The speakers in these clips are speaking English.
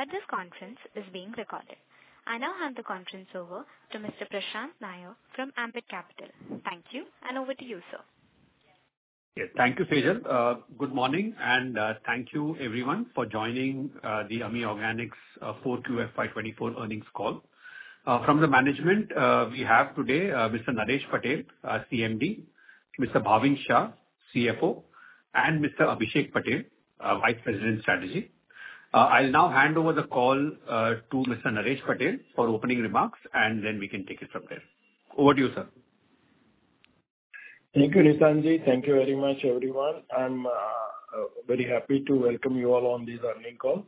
That this conference is being recorded. I now hand the conference over to Mr. Prashant Nair from Ambit Capital. Thank you, and over to you, sir. Yeah, thank you, Sejal. Good morning, and thank you, everyone, for joining the AMI Organics 4QFY24 earnings call. From the management, we have today Mr. Naresh Patel, CMD, Mr. Bhavin Shah, CFO, and Mr. Abhishek Patel, Vice President Strategy. I'll now hand over the call to Mr. Naresh Patel for opening remarks, and then we can take it from there. Over to you, sir. Thank you, Prashant. Thank you very much, everyone. I'm very happy to welcome you all on this earnings call.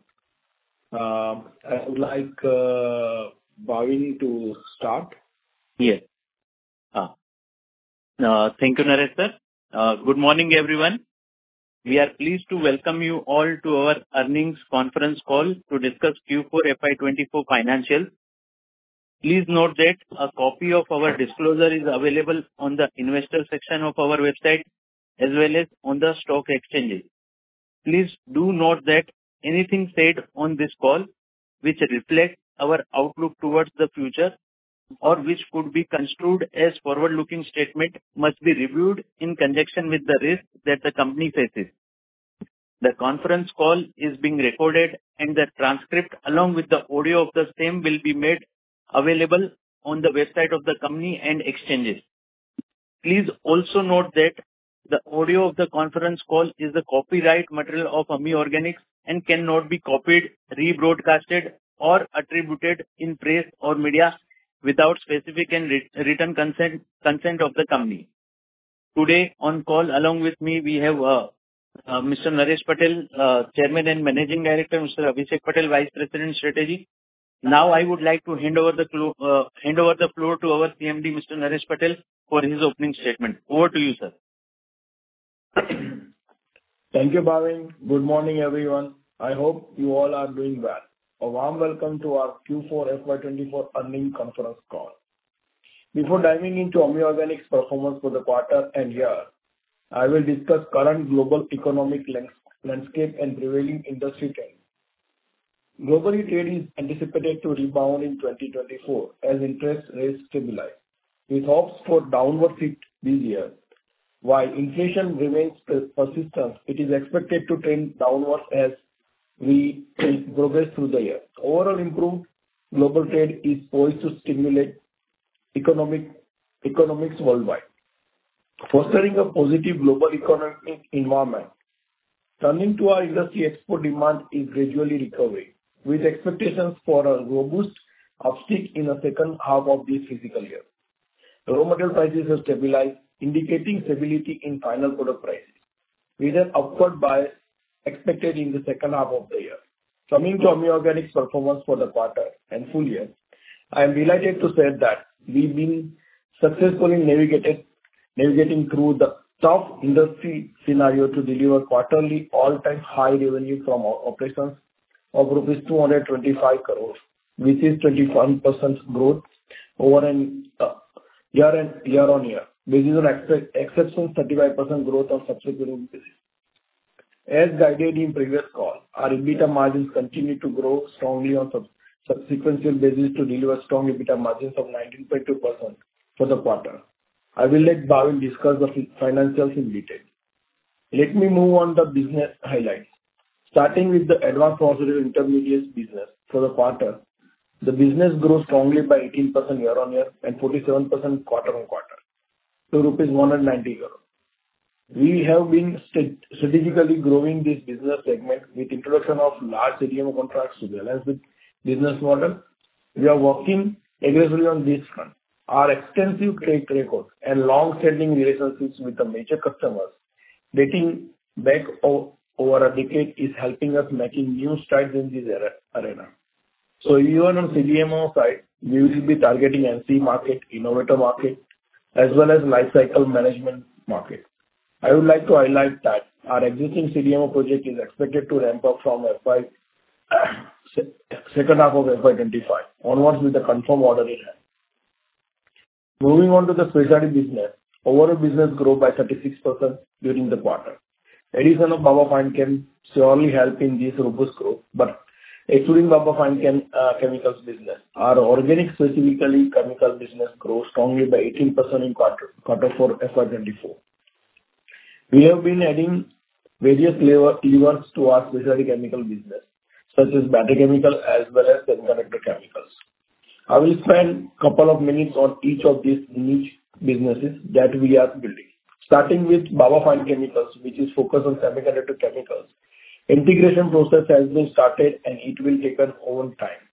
I would like Bhavin to start. Yes. Thank you, Naresh sir. Good morning, everyone. We are pleased to welcome you all to our earnings conference call to discuss Q4 FY24 financials. Please note that a copy of our disclosure is available on the investor section of our website, as well as on the stock exchanges. Please do note that anything said on this call, which reflects our outlook towards the future or which could be construed as a forward-looking statement, must be reviewed in conjunction with the risks that the company faces. The conference call is being recorded, and the transcript along with the audio of the same will be made available on the website of the company and exchanges. Please also note that the audio of the conference call is a copyright material of AMI Organics and cannot be copied, rebroadcast, or attributed in press or media without specific and written consent of the company. Today on call along with me, we have Mr. Naresh Patel, Chairman and Managing Director. Mr. Abhishek Patel, Vice President Strategy. Now I would like to hand over the floor to our CMD, Mr. Naresh Patel, for his opening statement. Over to you, sir. Thank you, Bhavin. Good morning, everyone. I hope you all are doing well. A warm welcome to our Q4 FY24 earnings conference call. Before diving into AMI Organics' performance for the quarter and year, I will discuss the current global economic landscape and prevailing industry trends. Globally, trade is anticipated to rebound in 2024 as interest rates stabilize, with hopes for a downward shift this year. While inflation remains persistent, it is expected to trend downward as we progress through the year. Overall improved global trade is poised to stimulate economies worldwide. Fostering a positive global economic environment, turning to our industry, export demand is gradually recovering, with expectations for a robust uptick in the second half of this fiscal year. Raw material prices have stabilized, indicating stability in final product prices, with an upward bias expected in the second half of the year. Coming to AMI Organics' performance for the quarter and full year, I am delighted to say that we've been successfully navigating through the tough industry scenario to deliver quarterly all-time high revenue from our operations of rupees 225 crore, which is 21% growth year-on-year, which is an exceptional 35% growth on subsequent basis. As guided in previous calls, our EBITDA margins continue to grow strongly on subsequent basis to deliver strong EBITDA margins of 19.2% for the quarter. I will let Bhavin discuss the financials in detail. Let me move on to the business highlights. Starting with the Advanced Pharmaceutical Intermediates business for the quarter, the business grew strongly by 18% year-on-year and 47% quarter-on-quarter to INR 190 crore. We have been strategically growing this business segment with the introduction of large CDMO contracts to balance the business model. We are working aggressively on this front. Our extensive trade records and long-standing relationships with major customers dating back over a decade are helping us make new strides in this arena. So even on the CDMO side, we will be targeting the NCE market, innovator market, as well as the lifecycle management market. I would like to highlight that our existing CDMO project is expected to ramp up from the second half of FY25 onwards with the confirmed order in hand. Moving on to the specialty chemicals business, overall business grew by 36% during the quarter. Addition of Baba Fine Chemicals surely helps in this robust growth, but excluding Baba Fine Chemicals business, our organic specialty chemical business grew strongly by 18% in quarter four FY24. We have been adding various levers to our specialty chemicals business, such as battery chemicals as well as semiconductor chemicals. I will spend a couple of minutes on each of these niche businesses that we are building. Starting with Baba Fine Chemicals, which is focused on semiconductor chemicals, the integration process has been started, and it will take its own time.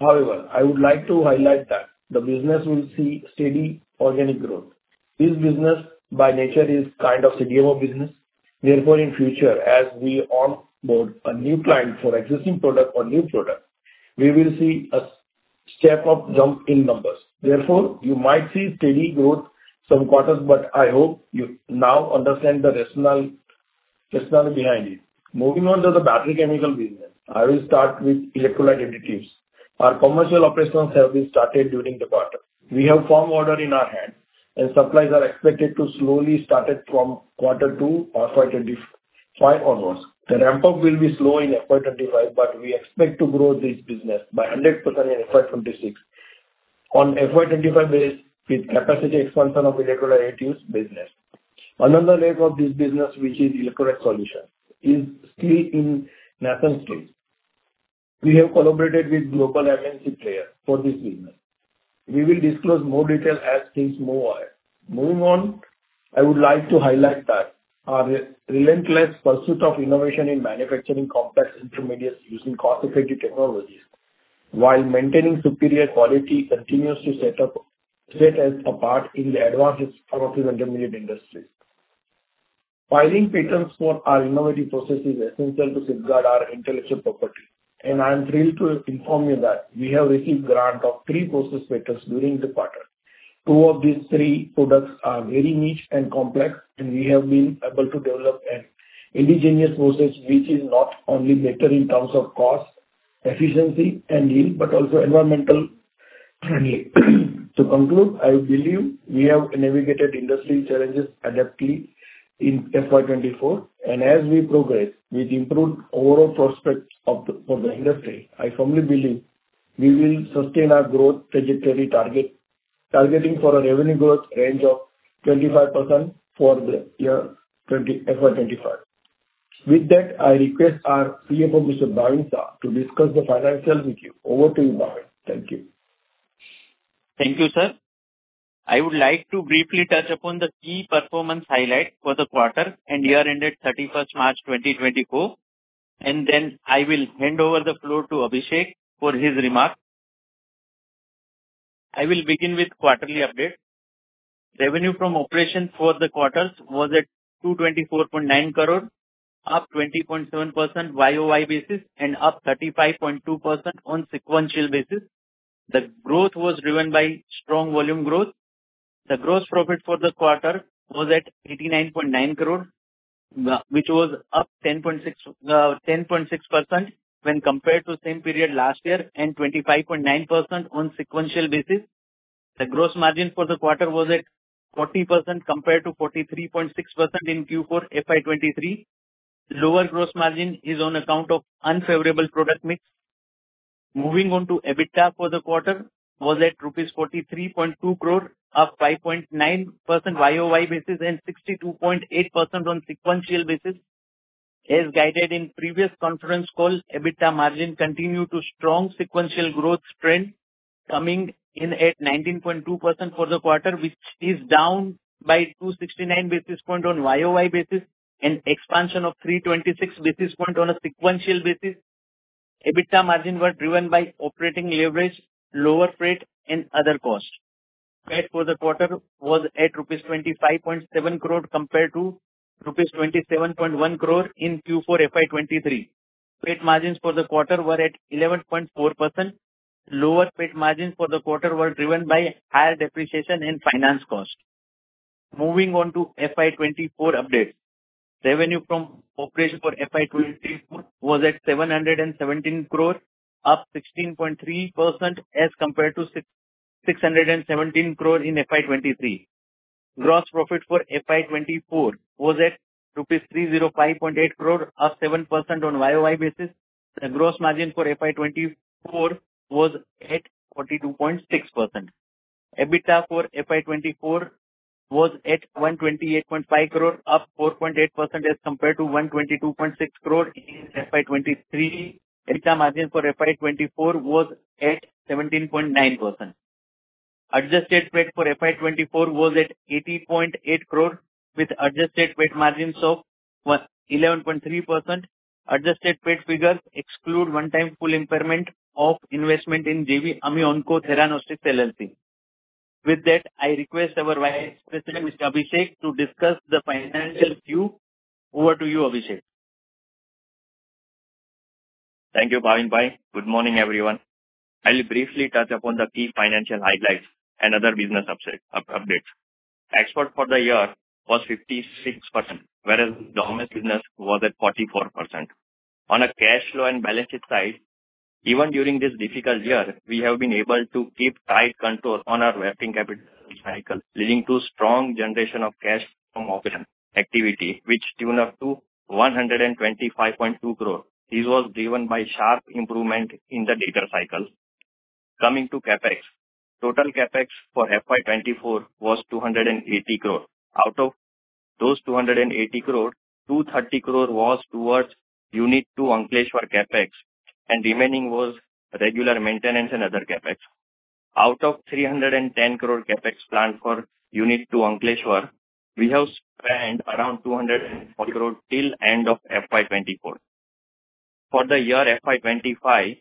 However, I would like to highlight that the business will see steady organic growth. This business, by nature, is a kind of CDMO business. Therefore, in the future, as we onboard a new client for an existing product or a new product, we will see a step-up jump in numbers. Therefore, you might see steady growth some quarters, but I hope you now understand the rationale behind it. Moving on to the battery chemical business, I will start with electrolyte additives. Our commercial operations have been started during the quarter. We have a firm order in our hand, and supplies are expected to slowly start from quarter two FY25 onwards. The ramp-up will be slow in FY25, but we expect to grow this business by 100% in FY26 on an FY25 base with capacity expansion of the electrolyte additives business. Another leg of this business, which is electrolyte solutions, is still in nascent stage. We have collaborated with global MNC players for this business. We will disclose more details as things move on. Moving on, I would like to highlight that our relentless pursuit of innovation in manufacturing complex intermediates using cost-effective technologies while maintaining superior quality continues to set us apart in the advanced pharmaceutical intermediate industries. Filing patents for our innovative processes is essential to safeguard our intellectual property, and I am thrilled to inform you that we have received a grant of three process patents during the quarter. Two of these three products are very niche and complex, and we have been able to develop an indigenous process which is not only better in terms of cost, efficiency, and yield, but also environmentally friendly. To conclude, I believe we have navigated industry challenges adeptly in FY24, and as we progress with an improved overall prospect for the industry, I firmly believe we will sustain our growth trajectory targeting for a revenue growth range of 25% for the year FY25. With that, I request our CFO, Mr. Bhavin Shah, to discuss the financials with you. Over to you, Bhavin. Thank you. Thank you, sir. I would like to briefly touch upon the key performance highlights for the quarter and year ended 31st March 2024, and then I will hand over the floor to Abhishek for his remarks. I will begin with the quarterly update. Revenue from operations for the quarter was at 224.9 crore, up 20.7% on a YoY basis, and up 35.2% on a sequential basis. The growth was driven by strong volume growth. The gross profit for the quarter was at 89.9 crore, which was up 10.6% when compared to the same period last year and 25.9% on a sequential basis. The gross margin for the quarter was at 40% compared to 43.6% in Q4 FY23. Lower gross margin is on account of an unfavorable product mix. Moving on to EBITDA for the quarter was at INR. 43.2 crores, up 5.9% on a YoY basis and 62.8% on a sequential basis. As guided in the previous conference call, the EBITDA margin continued to show a strong sequential growth trend, coming in at 19.2% for the quarter, which is down by 269 basis points on a YoY basis and an expansion of 326 basis points on a sequential basis. The EBITDA margin was driven by operating leverage, lower freight, and other costs. The PAT for the quarter was at rupees 25.7 crores compared to rupees 27.1 crores in Q4 FY23. The PAT margins for the quarter were at 11.4%. Lower PAT margins for the quarter were driven by higher depreciation and finance costs. Moving on to the FY24 updates, revenue from operations for FY24 was at 717 crores, up 16.3% as compared to 617 crores in FY23. Gross profit for FY24 was at INR. 305.8 crores, up 7% on a YOY basis. The gross margin for FY24 was at 42.6%. The EBITDA for FY24 was at 128.5 crores, up 4.8% as compared to 122.6 crores in FY23. The EBITDA margin for FY24 was at 17.9%. The adjusted PAT for FY24 was at 80.8 crores, with adjusted PAT margins of 11.3%. Adjusted PAT figures exclude one-time full impairment of investment in JV AMI Onco-Theranostics, LLC. With that, I request our Vice President, Mr. Abhishek, to discuss the financials view. Over to you, Abhishek. Thank you, Bhavinbhai. Good morning, everyone. I will briefly touch upon the key financial highlights and other business updates. The export for the year was 56%, whereas the home business was at 44%. On the cash flow and balance sheet side, even during this difficult year, we have been able to keep tight control on our working capital cycle, leading to a strong generation of cash from operating activity, which stood at 125.2 crores. This was driven by a sharp improvement in the debtor cycle. Coming to CapEx, the total CapEx for FY24 was 280 crores. Out of those 280 crores, 230 crores was towards Unit 2 Ankleshwar CapEx, and the remaining was regular maintenance and other CapEx. Out of the 310 crores CapEx planned for Unit 2 Ankleshwar, we have spent around 240 crores till the end of FY24. For the year FY25,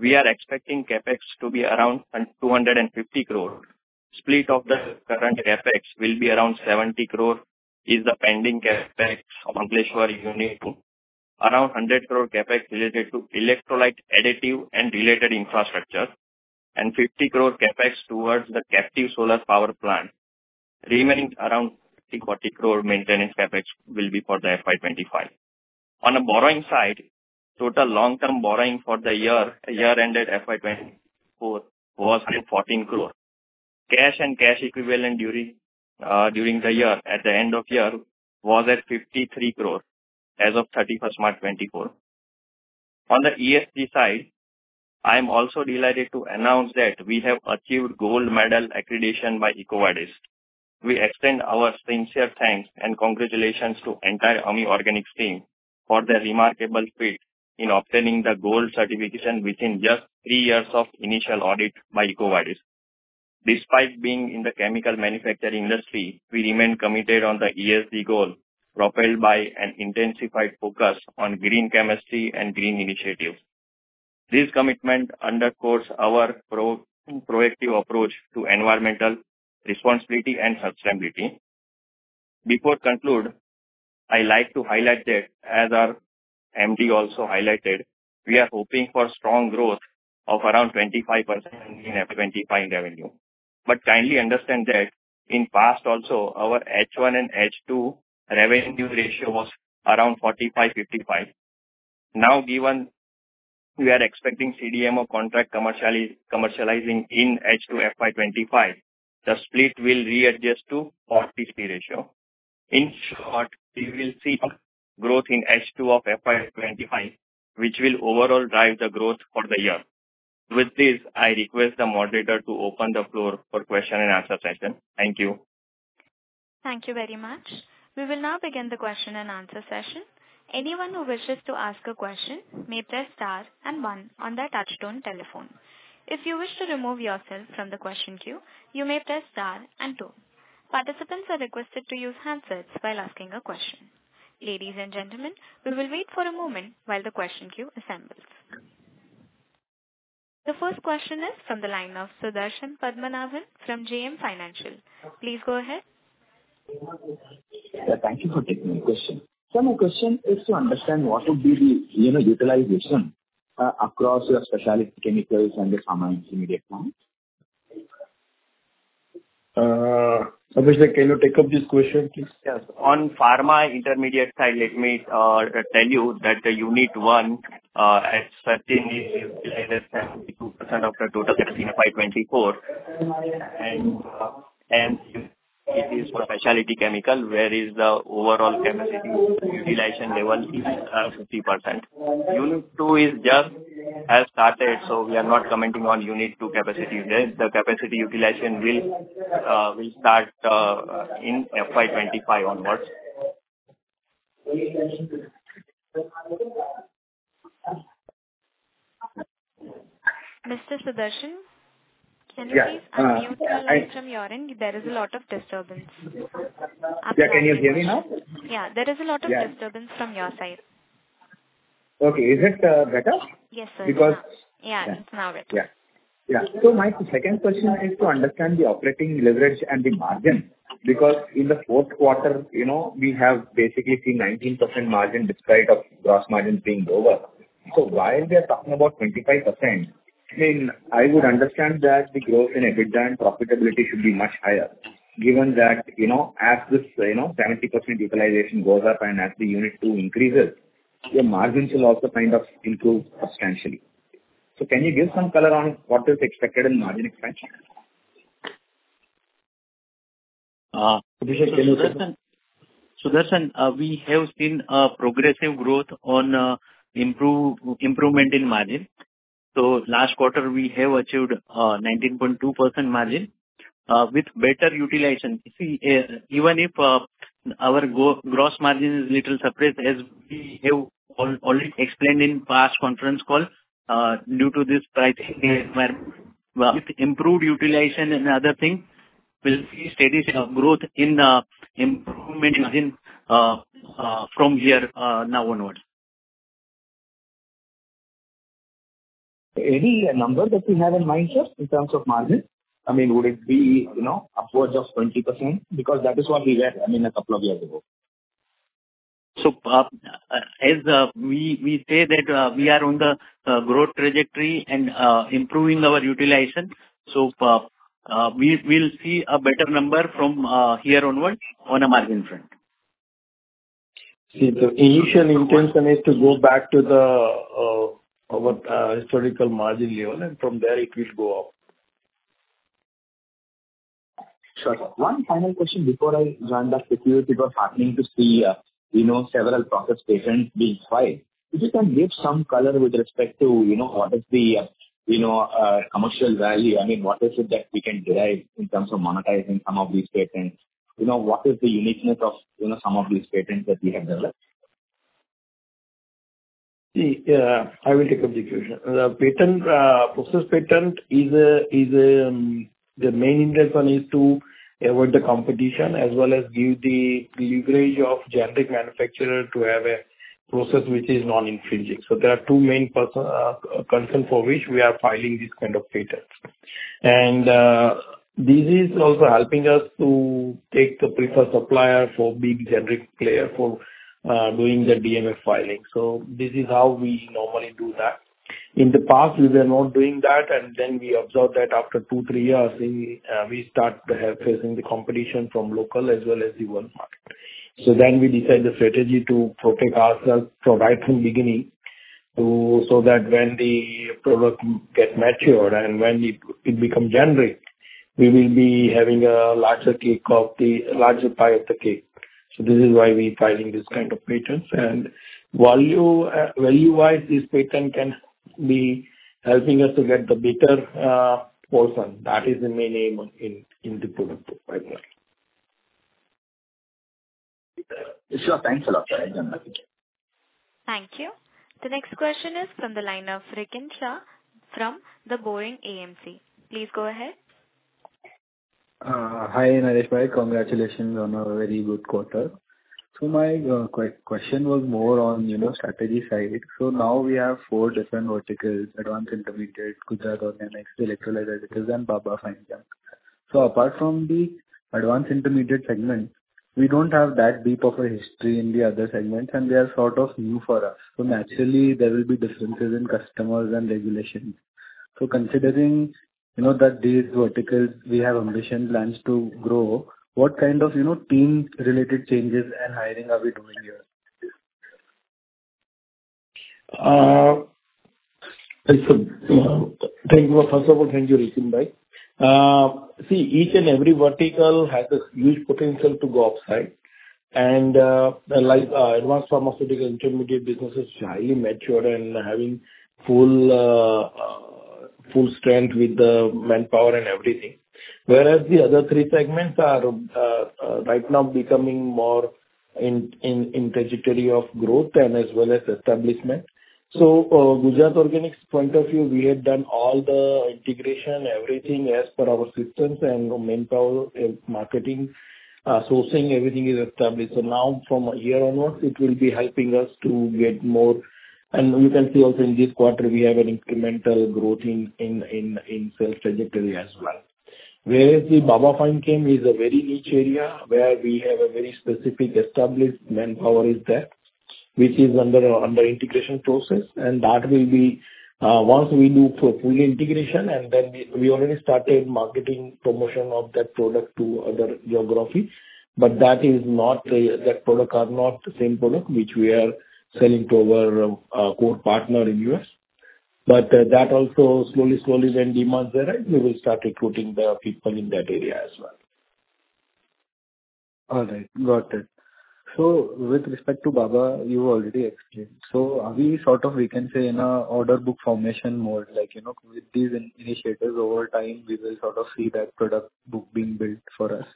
we are expecting CAPEX to be around 250 crores. The split of the current CAPEX will be around 70 crores, which is the pending CAPEX of Ankleshwar Unit two. Around 100 crores CAPEX is related to electrolyte additives and related infrastructure, and 50 crores CAPEX is towards the captive solar power plant. The remaining around 30-40 crores maintenance CAPEX will be for FY25. On the borrowing side, the total long-term borrowing for the year ended FY24 was 114 crores. Cash and cash equivalents during the year at the end of the year was at 53 crores as of 31st March 2024. On the ESG side, I am also delighted to announce that we have achieved the gold medal accreditation by EcoVadis. We extend our sincere thanks and congratulations to the entire AMI Organics team for their remarkable speed in obtaining the gold certification within just three years of the initial audit by EcoVadis. Despite being in the chemical manufacturing industry, we remained committed to the ESG goal, propelled by an intensified focus on green chemistry and green initiatives. This commitment underscores our proactive approach to environmental responsibility and sustainability. Before concluding, I would like to highlight that, as our MD also highlighted, we are hoping for strong growth of around 25% in FY25 revenue. But kindly understand that in the past, also, our H1 and H2 revenue ratio was around 45-55. Now, given we are expecting CDMO contracts commercializing in H2 FY25, the split will readjust to a 40-50 ratio. In short, we will see growth in H2 of FY25, which will overall drive the growth for the year. With this, I request the moderator to open the floor for a question-and-answer session. Thank you. Thank you very much. We will now begin the question-and-answer session. Anyone who wishes to ask a question may press star and one on their touchtone telephone. If you wish to remove yourself from the question queue, you may press star and two. Participants are requested to use hands-free while asking a question. Ladies and gentlemen, we will wait for a moment while the question queue assembles. The first question is from the line of Sudarshan Padmanabhan from JM Financial. Please go ahead. Thank you for taking my question. So my question is to understand what would be the utilization across your specialty chemicals and the pharma intermediate plants? Abhishek, can you take up this question, please? Yes. On the pharma intermediate side, let me tell you that Unit 1, as stated, is utilized at 72% of the total capacity in FY24, and it is a specialty chemical where the overall capacity utilization level is 50%. Unit 2 is just started, so we are not commenting on Unit 2 capacity yet. The capacity utilization will start in FY25 onwards. Mr. Sudarshan, can you please unmute your line from your end? There is a lot of disturbance. Yeah. Can you hear me now? Yeah. There is a lot of disturbance from your side. Okay. Is it better? Yes, sir. Because. Yeah. It's now better. Yeah. Yeah. So my second question is to understand the operating leverage and the margin because in the fourth quarter, we have basically seen a 19% margin despite the gross margin being lower. So while we are talking about 25%, I mean, I would understand that the growth in EBITDA and profitability should be much higher given that as this 70% utilization goes up and as Unit 2 increases, your margins will also kind of improve substantially. So can you give some color on what is expected in margin expansion? Abhishek, can you say? Sudarshan, we have seen progressive growth on improvement in margin. So last quarter, we have achieved a 19.2% margin with better utilization. Even if our gross margin is a little suppressed, as we have already explained in the past conference call, due to this pricing environment, with improved utilization and other things, we will see steady growth in improvement in margin from here now onwards. Any number that you have in mind, sir, in terms of margin? I mean, would it be upwards of 20%? Because that is what we were, I mean, a couple of years ago. We say that we are on the growth trajectory and improving our utilization. We will see a better number from here onwards on the margin front. See, the initial intention is to go back to our historical margin level, and from there, it will go up. Sure. One final question before I join back. We are happy to see several process patents being filed. If you can give some color with respect to what is the commercial value? I mean, what is it that we can derive in terms of monetizing some of these patents? What is the uniqueness of some of these patents that we have developed? See, I will take up the question. The Process Patent, the main intention is to avoid the competition as well as give the leverage of the generic manufacturer to have a process which is non-infringing. So there are two main concerns for which we are filing this kind of patent. This is also helping us to take the preferred supplier for a big generic player for doing the DMF filing. So this is how we normally do that. In the past, we were not doing that, and then we observed that after two to three years, we started facing the competition from local as well as the world market. So then we decided the strategy to protect ourselves right from the beginning so that when the product gets matured and when it becomes generic, we will be having a larger pie of the cake. So this is why we are filing this kind of patents. And value-wise, this patent can be helping us to get the better portion. That is the main aim in the product pipeline. Sure. Thanks a lot, sir. I'm done talking. Thank you. The next question is from the line of Rikin Shah from The Boring AMC. Please go ahead. Hi, Nareshbhai. Congratulations on a very good quarter. My question was more on the strategy side. Now we have four different verticals: advanced intermediate, Gujarat Organics, electrolyte additives, and Baba Fine Chemicals. Apart from the advanced intermediate segment, we don't have that deep of a history in the other segments, and they are sort of new for us. Naturally, there will be differences in customers and regulations. Considering that these verticals, we have ambitious plans to grow, what kind of team-related changes and hiring are we doing here? First of all, thank you, Rikinbhai. See, each and every vertical has a huge potential to go upside. And advanced pharmaceutical intermediate business is highly matured and having full strength with the manpower and everything, whereas the other three segments are right now becoming more in the trajectory of growth as well as establishment. So from Gujarat Organics' point of view, we had done all the integration, everything as per our systems, and manpower marketing sourcing, everything is established. So now, from a year onwards, it will be helping us to get more. And you can see also in this quarter, we have an incremental growth in sales trajectory as well. Whereas the Baba Fine Chemicals is a very niche area where we have a very specific established manpower there, which is under integration process. That will be once we do full integration, and then we already started marketing promotion of that product to other geographies. But that product is not the same product which we are selling to our core partner in the U.S. But that also, slowly, slowly, when demands arise, we will start recruiting the people in that area as well. All right. Got it. So with respect to Baba, you already explained. So are we sort of, we can say, in an order book formation mode? With these initiatives, over time, we will sort of see that product book being built for us?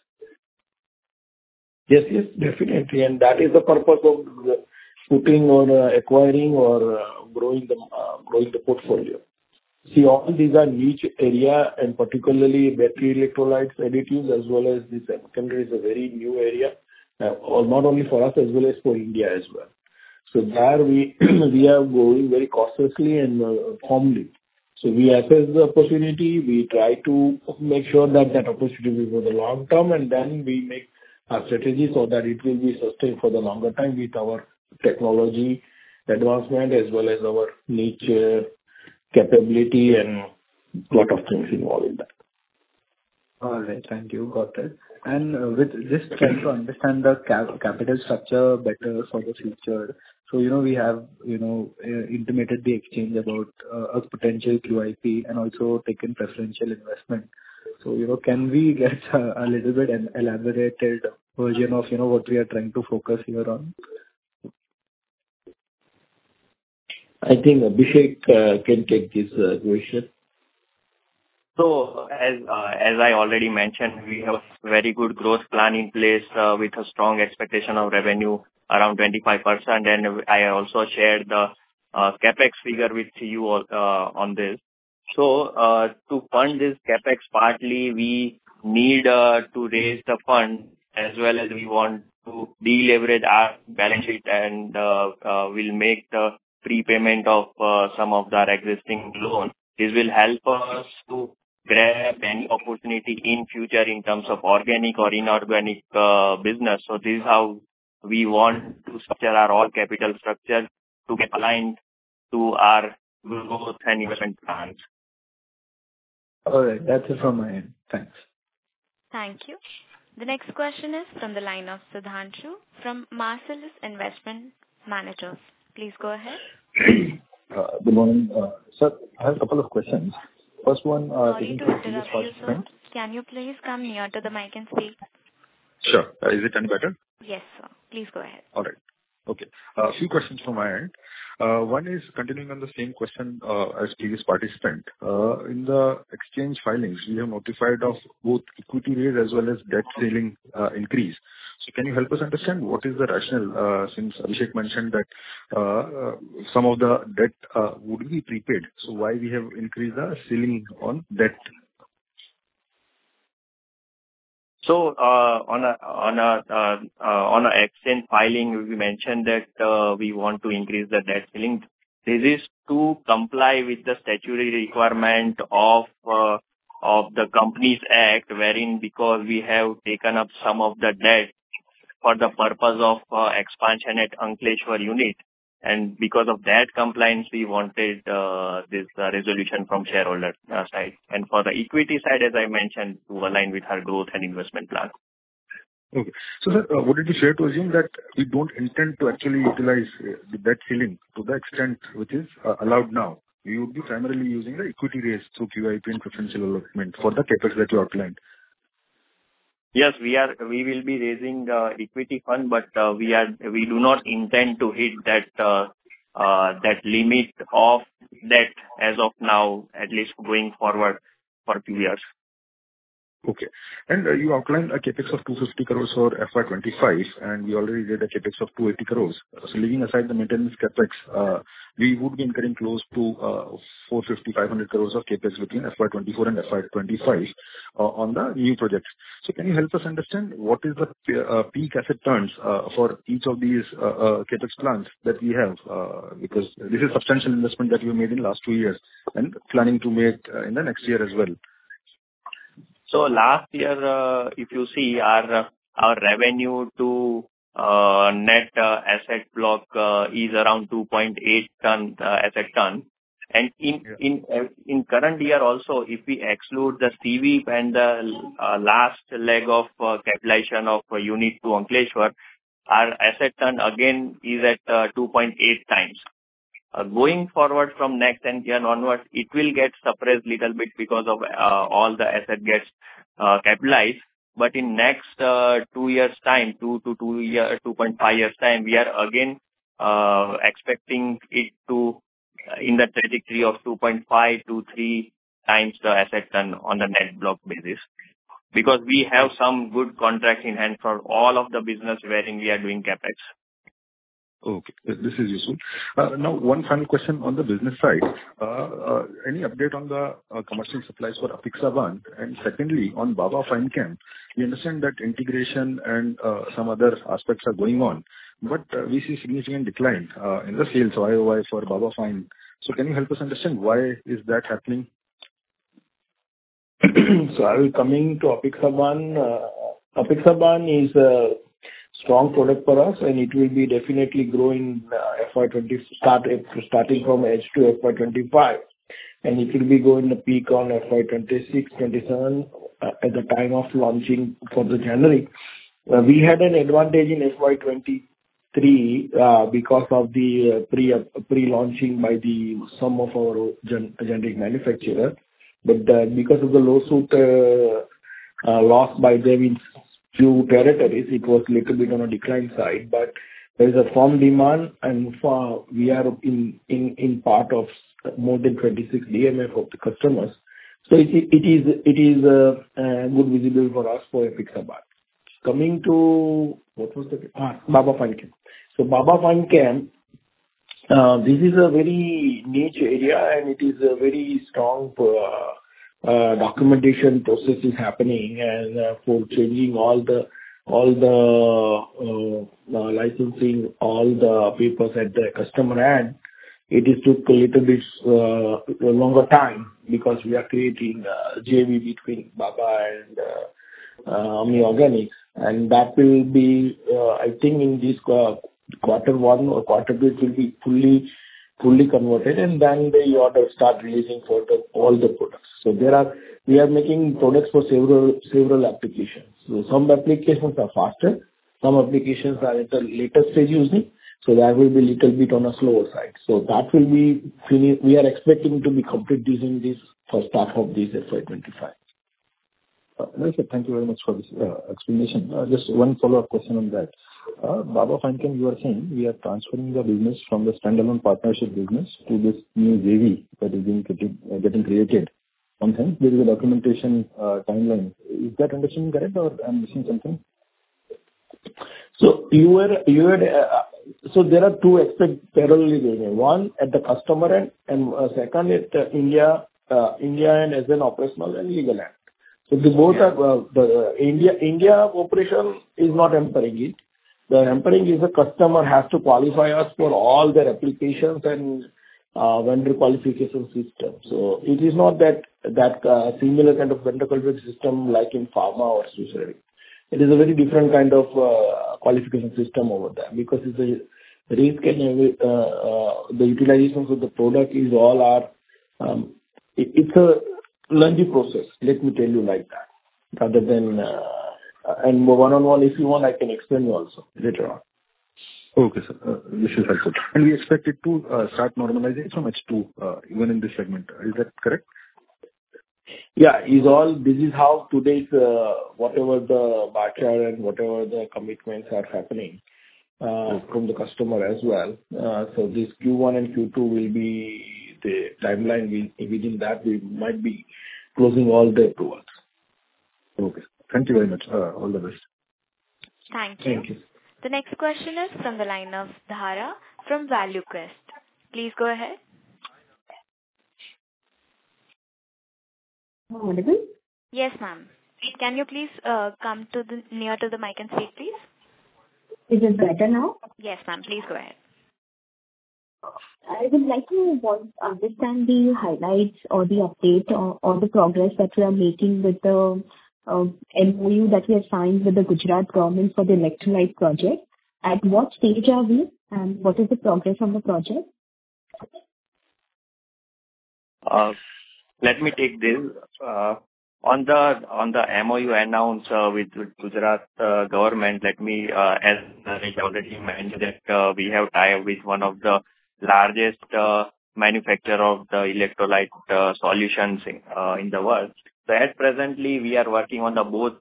Yes. Yes. Definitely. And that is the purpose of putting on acquiring or growing the portfolio. See, all these are niche areas, and particularly battery electrolyte additives as well as this semiconductor is a very new area, not only for us as well as for India as well. So there, we are going very cautiously and firmly. So we assess the opportunity. We try to make sure that that opportunity will be for the long term, and then we make our strategy so that it will be sustained for the longer time with our technology advancement as well as our niche capability and a lot of things involved in that. All right. Thank you. Got it. With this trend to understand the capital structure better for the future, so we have intimated the exchange about a potential QIP and also taken preferential investment. So can we get a little bit elaborated version of what we are trying to focus here on? I think Abhishek can take this question. So as I already mentioned, we have a very good growth plan in place with a strong expectation of revenue around 25%. And I also shared the CAPEX figure with you on this. So to fund this CAPEX partly, we need to raise the fund as well as we want to deleverage our balance sheet and will make the prepayment of some of our existing loans. This will help us to grab any opportunity in the future in terms of organic or inorganic business. So this is how we want to structure our whole capital structure to be aligned to our growth and development plans. All right. That's it from my end. Thanks. Thank you. The next question is from the line of Sudhanshu from Marcellus Investment Managers. Please go ahead. Good morning, sir. I have a couple of questions. First one, thank you to the previous participant. Can you please come nearer to the mic and speak? Sure. Is it any better? Yes, sir. Please go ahead. All right. Okay. A few questions from my end. One is continuing on the same question as the previous participant. In the exchange filings, we have notified of both equity rate as well as debt ceiling increase. So can you help us understand what is the rationale since Abhishek mentioned that some of the debt would be prepaid, so why we have increased the ceiling on debt? So on our exchange filing, we mentioned that we want to increase the debt ceiling. This is to comply with the statutory requirement of the Companies Act wherein because we have taken up some of the debt for the purpose of expansion at Ankleshwar Unit, and because of that compliance, we wanted this resolution from the shareholder side. And for the equity side, as I mentioned, to align with our growth and investment plans. Okay. So, sir, what did you share to assume that we don't intend to actually utilize the debt ceiling to the extent which is allowed now? You would be primarily using the equity raised through QIP and preferential allotment for the CAPEX that you outlined? Yes. We will be raising the equity fund, but we do not intend to hit that limit of debt as of now, at least going forward for a few years. Okay. And you outlined a CAPEX of 250 crore for FY25, and we already did a CAPEX of 280 crore. So leaving aside the maintenance CAPEX, we would be incurring close to 450 crore-500 crore of CAPEX between FY24 and FY25 on the new projects. So can you help us understand what is the peak asset turns for each of these CAPEX plans that we have? Because this is substantial investment that you made in the last two years and planning to make in the next year as well. So last year, if you see, our revenue to net asset block is around 2.8 asset turns. And in current year also, if we exclude the CWIP and the last leg of capitalization of Unit 2 Ankleshwar, our asset turnover, again, is at 2.8x. Going forward from next and here onwards, it will get suppressed a little bit because of all the assets getting capitalized. But in the next two years' time, two to two and half years' time, we are again expecting it to be in the trajectory of 2.5x-3x the asset turnover on the net block basis because we have some good contracts in hand for all of the business wherein we are doing CAPEX. Okay. This is useful. Now, one final question on the business side. Any update on the commercial supplies for Apixaban? And secondly, on Baba Fine Chemicals, we understand that integration and some other aspects are going on, but we see a significant decline in the sales YoY for Baba Fine Chemicals. So can you help us understand why is that happening? So I will come into Apixaban. Apixaban is a strong product for us, and it will be definitely growing starting from H2 FY25. And it will be going to peak in FY26-27 at the time of launching in January. We had an advantage in FY23 because of the pre-launching by some of our generic manufacturers. But because of the lawsuit loss by them in a few territories, it was a little bit on a decline side. But there is a firm demand, and we are part of more than 26 DMFs of the customers. So it is good visibility for us for Apixaban. Coming to what was Baba Fine Chemicals? So Baba Fine Chemicals, this is a very niche area, and it is a very strong documentation process is happening. And for changing all the licensing, all the papers at the customer end, it took a little bit longer time because we are creating a JV between Baba and AMI Organics. And that will be, I think, in this quarter one or quarter two, it will be fully converted, and then the orders start releasing for all the products. So we are making products for several applications. So some applications are faster. Some applications are at the latest stage using it. So that will be a little bit on a slower side. So that will be finished. We are expecting to be complete using this for the start of this FY25. Very good. Thank you very much for this explanation. Just one follow-up question on that. Baba Fine Chemicals, you were saying we are transferring the business from the standalone partnership business to this new JV that is getting created. Sometimes there is a documentation timeline. Is that understanding correct, or I'm missing something? So there are two aspects parallelly going on. One at the customer end, and second at India and as an operational and legal end. So both are India operation is not hampering it. The hampering is the customer has to qualify us for all their applications and vendor qualification system. So it is not that similar kind of vendor qualification system like in pharma or semicon. It is a very different kind of qualification system over there because the utilization of the product is all it's a lengthy process. Let me tell you like that rather than one-on-one, if you want, I can explain you also later on. Okay, sir. This is helpful. We expect it to start normalizing so much too even in this segment. Is that correct? Yeah. This is how today's whatever the backyard and whatever the commitments are happening from the customer as well. So this Q1 and Q2 will be the timeline. Within that, we might be closing all the approvals. Okay. Thank you very much. All the best. Thank you. Thank you. The next question is from the line of Dhara from ValueQuest. Please go ahead. Hello. Hello. Yes, ma'am. Can you please come nearer to the mic and speak, please? Is it better now? Yes, ma'am. Please go ahead. I would like to understand the highlights or the update or the progress that we are making with the MOU that we assigned with the Gujarat government for the electrolyte project. At what stage are we, and what is the progress on the project? Let me take this. On the MOU announced with the Gujarat government, let me ask the regional team manager that we have a tie with one of the largest manufacturers of the electrolyte solutions in the world. So at present, we are working on both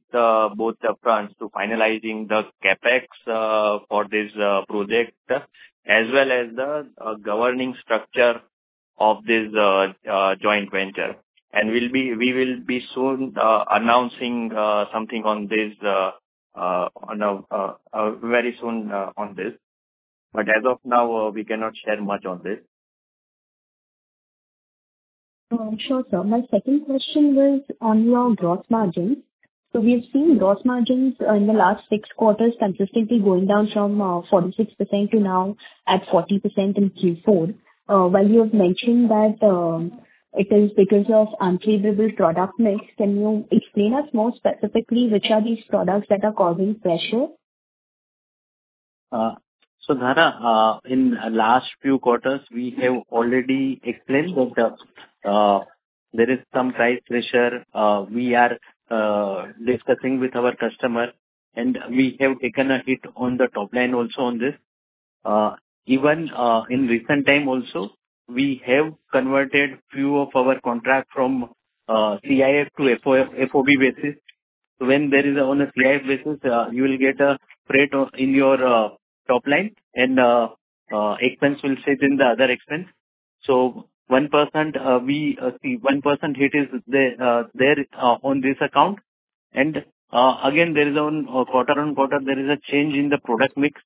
fronts to finalizing the CAPEX for this project as well as the governing structure of this joint venture. And we will be soon announcing something on this very soon on this. But as of now, we cannot share much on this. Sure, sir. My second question was on your gross margins. So we have seen gross margins in the last six quarters consistently going down from 46% to now at 40% in Q4. While you have mentioned that it is because of unfavorable product mix, can you explain us more specifically which are these products that are causing pressure? So Dhara, in the last few quarters, we have already explained that there is some price pressure we are discussing with our customer, and we have taken a hit on the top line also on this. Even in recent time also, we have converted a few of our contracts from CIF to FOB basis. So when there is on a CIF basis, you will get a rate in your top line, and expense will sit in the other expense. So 1% we see 1% hit is there on this account. And again, quarter-on-quarter, there is a change in the product mix.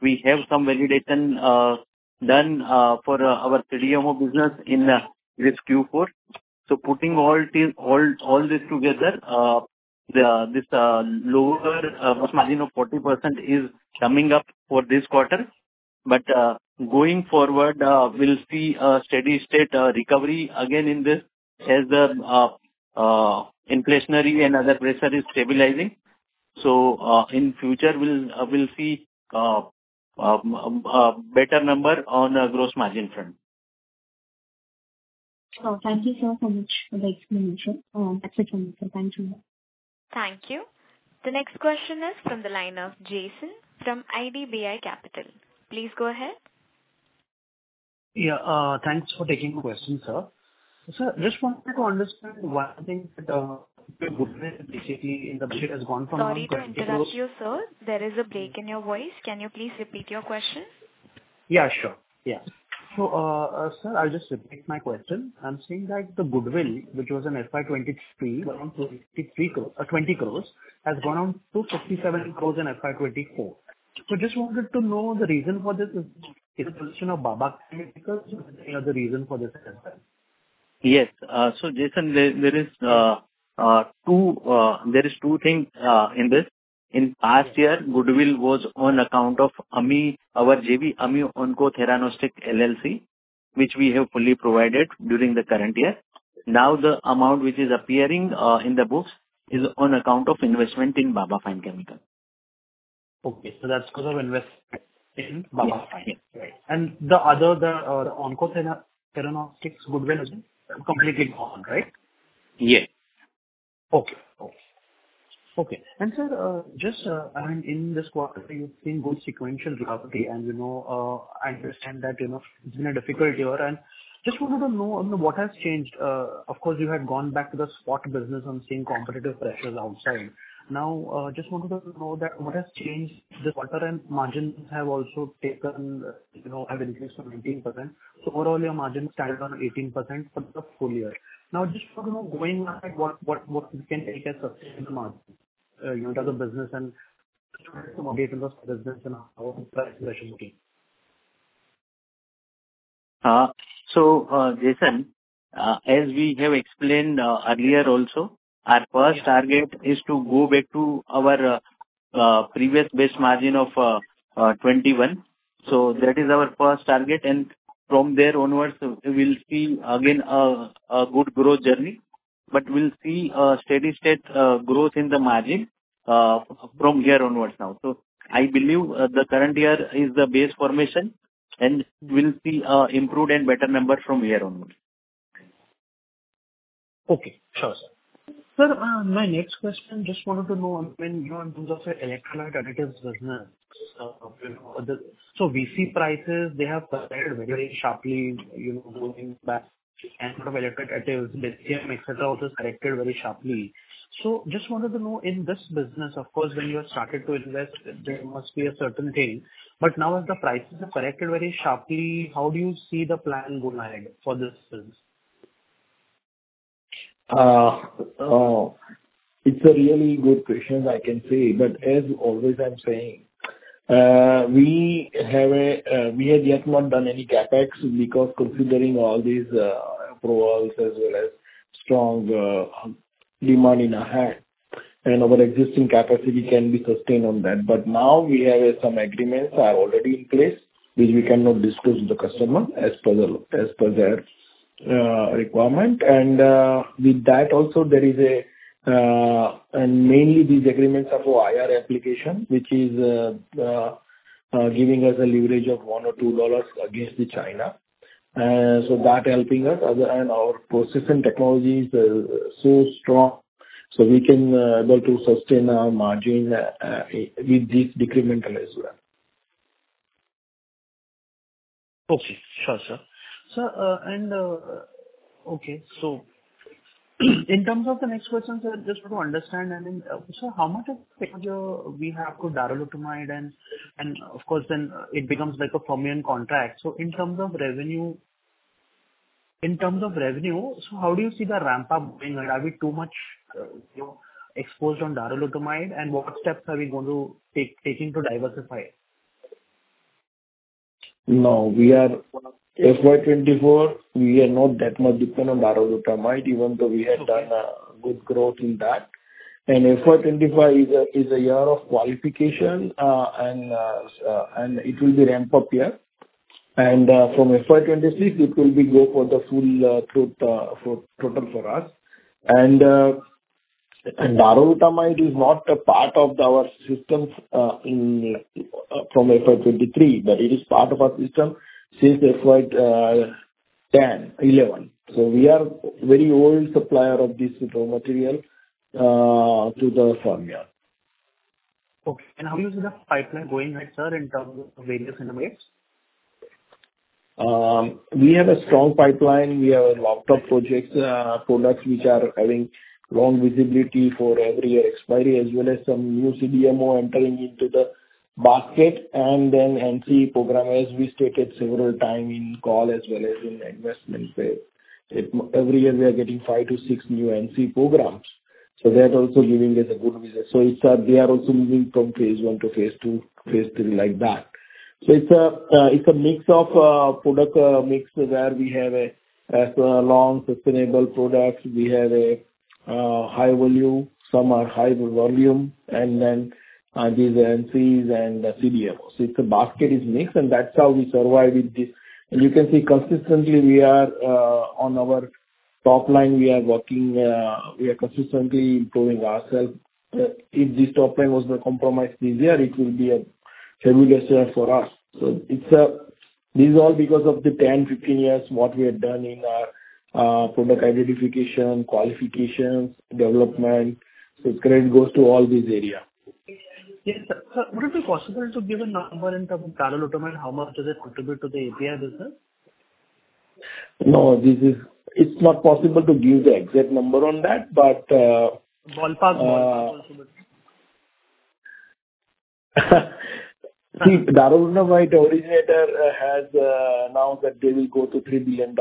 We have some validation done for our CDMO business in this Q4. So putting all this together, this lower gross margin of 40% is coming up for this quarter. But going forward, we'll see a steady state recovery again in this as the inflationary and other pressure is stabilizing. So in the future, we'll see a better number on the gross margin front. Sure. Thank you so, so much for the explanation. That's it from me, sir. Thank you. Thank you. The next question is from the line of Jason from IDBI Capital. Please go ahead. Yeah. Thanks for taking the question, sir. Sir, I just wanted to understand why I think that the goodwill basically in the budget has gone from. Sorry to interrupt you, sir. There is a break in your voice. Can you please repeat your question? Yeah, sure. Yeah. So sir, I'll just repeat my question. I'm saying that the goodwill, which was in FY23, went on to 20 crore, has gone on to 57 crore in FY24. So I just wanted to know the reason for this. Is the position of Baba Fine Chemicals the reason for this as well? Yes. So Jason, there is two things in this. In the past year, goodwill was on account of our JV, AMI Onco-Theranostics, LLC, which we have fully provided during the current year. Now, the amount which is appearing in the books is on account of investment in Baba Fine Chemicals. Okay. So that's because of investment in Baba Fine Chemicals. Right. And the AMI Onco-Theranostics' goodwill is completely gone, right? Yes. Okay. Okay. Okay. Sir, just in this quarter, you've seen good sequential recovery, and I understand that it's been a difficult year. Just wanted to know what has changed. Of course, you have gone back to the spot business. I'm seeing competitive pressures outside. Now, I just wanted to know what has changed this quarter, and margins have also increased to 19%. Overall, your margin started on 18% for the full year. Now, I just want to know going back what we can take as sustainable margin as a business and some update on the business and how price pressure is looking. Jason, as we have explained earlier also, our first target is to go back to our previous best margin of 21. That is our first target. From there onwards, we'll see again a good growth journey, but we'll see a steady state growth in the margin from here onwards now. I believe the current year is the base formation, and we'll see improved and better numbers from here onwards. Okay. Sure, sir. Sir, my next question, I just wanted to know in terms of the electrolyte additives business. So VC prices, they have corrected very, very sharply going back. And sort of electrolyte additives, lithium, etc., all this corrected very sharply. So I just wanted to know in this business, of course, when you have started to invest, there must be a certain thing. But now as the prices have corrected very sharply, how do you see the plan going ahead for this business? It's a really good question, I can say. But as always, I'm saying, we have yet not done any CapEx because considering all these approvals as well as strong demand in our hand, and our existing capacity can be sustained on that. But now, we have some agreements that are already in place which we cannot disclose to the customer as per their requirement. And with that also, there is a and mainly, these agreements are for IRA application, which is giving us a leverage of $1 or $2 against China. So that's helping us. And our processing technology is so strong so we can be able to sustain our margin with this decremental as well. Okay. Sure, sir. Okay. So in terms of the next question, sir, just want to understand, I mean, sir, how much of the pressure we have for Darylutamide? And of course, then it becomes like a Fermion contract. So in terms of revenue, in terms of revenue, so how do you see the ramp-up going ahead? Are we too much exposed on Darylutamide, and what steps are we going to take to diversify it? No. FY2024, we are not that much dependent on Darylutamide even though we have done good growth in that. FY2025 is a year of qualification, and it will be ramped up here. From FY2026, it will be go for the full total for us. Darylutamide is not a part of our system from FY2023, but it is part of our system since FY2010, 2011. So we are a very old supplier of this raw material to the Fermion. Okay. How do you see the pipeline going ahead, sir, in terms of various NMEs? We have a strong pipeline. We have a lot of products which are having long visibility for every year expiry as well as some new CDMO entering into the basket. And then NC program, as we stated several times in call as well as in investment phase, every year, we are getting five to six new NC programs. So that also giving us a good visibility. So they are also moving from phase 1 to phase 2, phase 3 like that. So it's a mix of product mix where we have long, sustainable products. We have high volume. Some are high volume, and then these are NCs and CDMOs. So it's a basket is mixed, and that's how we survive with this. And you can see consistently, on our top line, we are consistently improving ourselves. If this top line was not compromised this year, it will be a heavy lesson for us. So this is all because of the 10, 15 years what we have done in our product identification, qualifications, development. So credit goes to all this area. Yes. So would it be possible to give a number in terms of Darylutamide? How much does it contribute to the API business? No. It's not possible to give the exact number on that, but. Ballpark, ballpark also. See, Darolutamide originator has announced that they will go to $3 billion.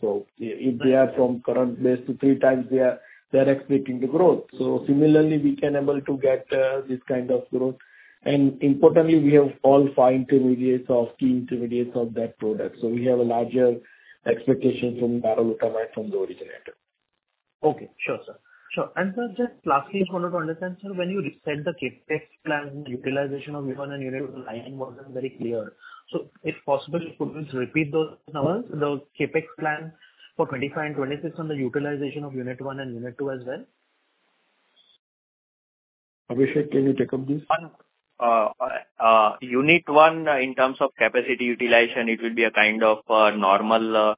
So if they are from current base to three times, they are expecting the growth. So similarly, we can able to get this kind of growth. And importantly, we have all fine intermediates of key intermediates of that product. So we have a larger expectation from Darolutamide from the originator. Okay. Sure, sir. Sure. Sir, just lastly, I just wanted to understand, sir, when you said the CAPEX plan and utilization of unit one wasn't very clear. So if possible, could you please repeat those numbers, the CAPEX plan for 2025 and 2026 on the utilization of unit one and unit two as well? Abhishek, can you take up this? Unit one, in terms of capacity utilization, it will be a kind of normal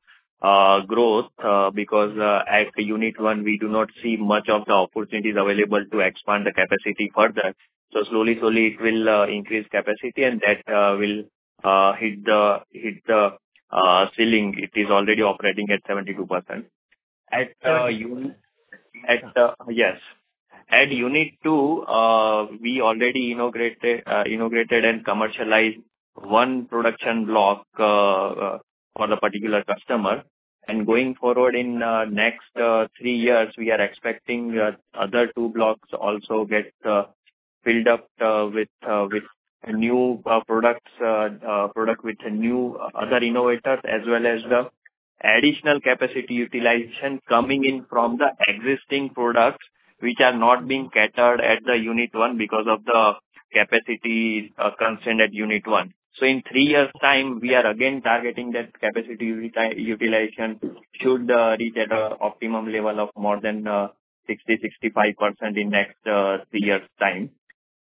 growth because at Unit one, we do not see much of the opportunities available to expand the capacity further. So slowly, slowly, it will increase capacity, and that will hit the ceiling. It is already operating at 72%. Yes. At Unit two, we already integrated and commercialized one production block for the particular customer. And going forward in the next three years, we are expecting other two blocks also to get filled up with new products with new other innovators as well as the additional capacity utilization coming in from the existing products which are not being catered at Unit one because of the capacity constraint at Unit one. So in three years' time, we are again targeting that capacity utilization should reach at an optimum level of more than 60%-65% in the next three years' time.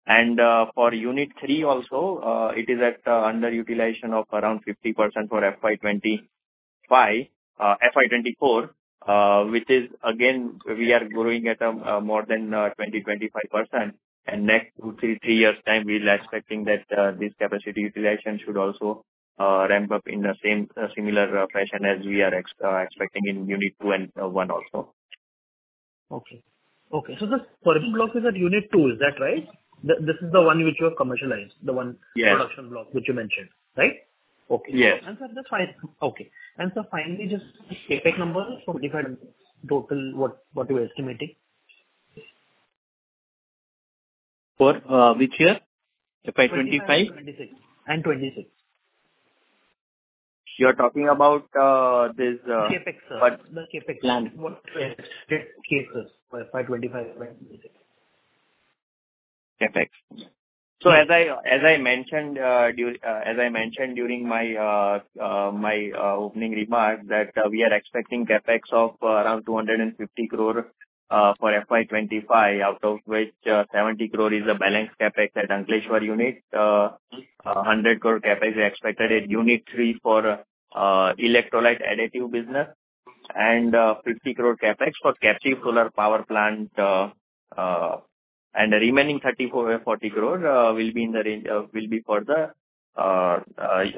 And for Unit 3 also, it is underutilization of around 50% for FY2024, which is again, we are growing at more than 20%-25%. And next three years' time, we're expecting that this capacity utilization should also ramp up in a similar fashion as we are expecting in Unit 2 and 1 also. Okay. Okay. So the first block is at Unit 2. Is that right? This is the one which you have commercialized, the one production block which you mentioned, right? Okay. And sir, that's fine. Okay. And sir, finally, just CAPEX numbers from total what you're estimating. For which year? FY25? 2026 and 2026. You're talking about this. CAPEX, sir. The CAPEX plan. What CAPEX for FY25 and 2026? CAPEX. As I mentioned during my opening remarks that we are expecting CAPEX of around 250 crore for FY25, out of which 70 crore is the balanced CAPEX at Ankleshwar unit, 100 crore CAPEX expected at unit three for electrolyte additive business, and 50 crore CAPEX for captive solar power plant. And the remaining 34 crore-40 crore will be in the range will be for the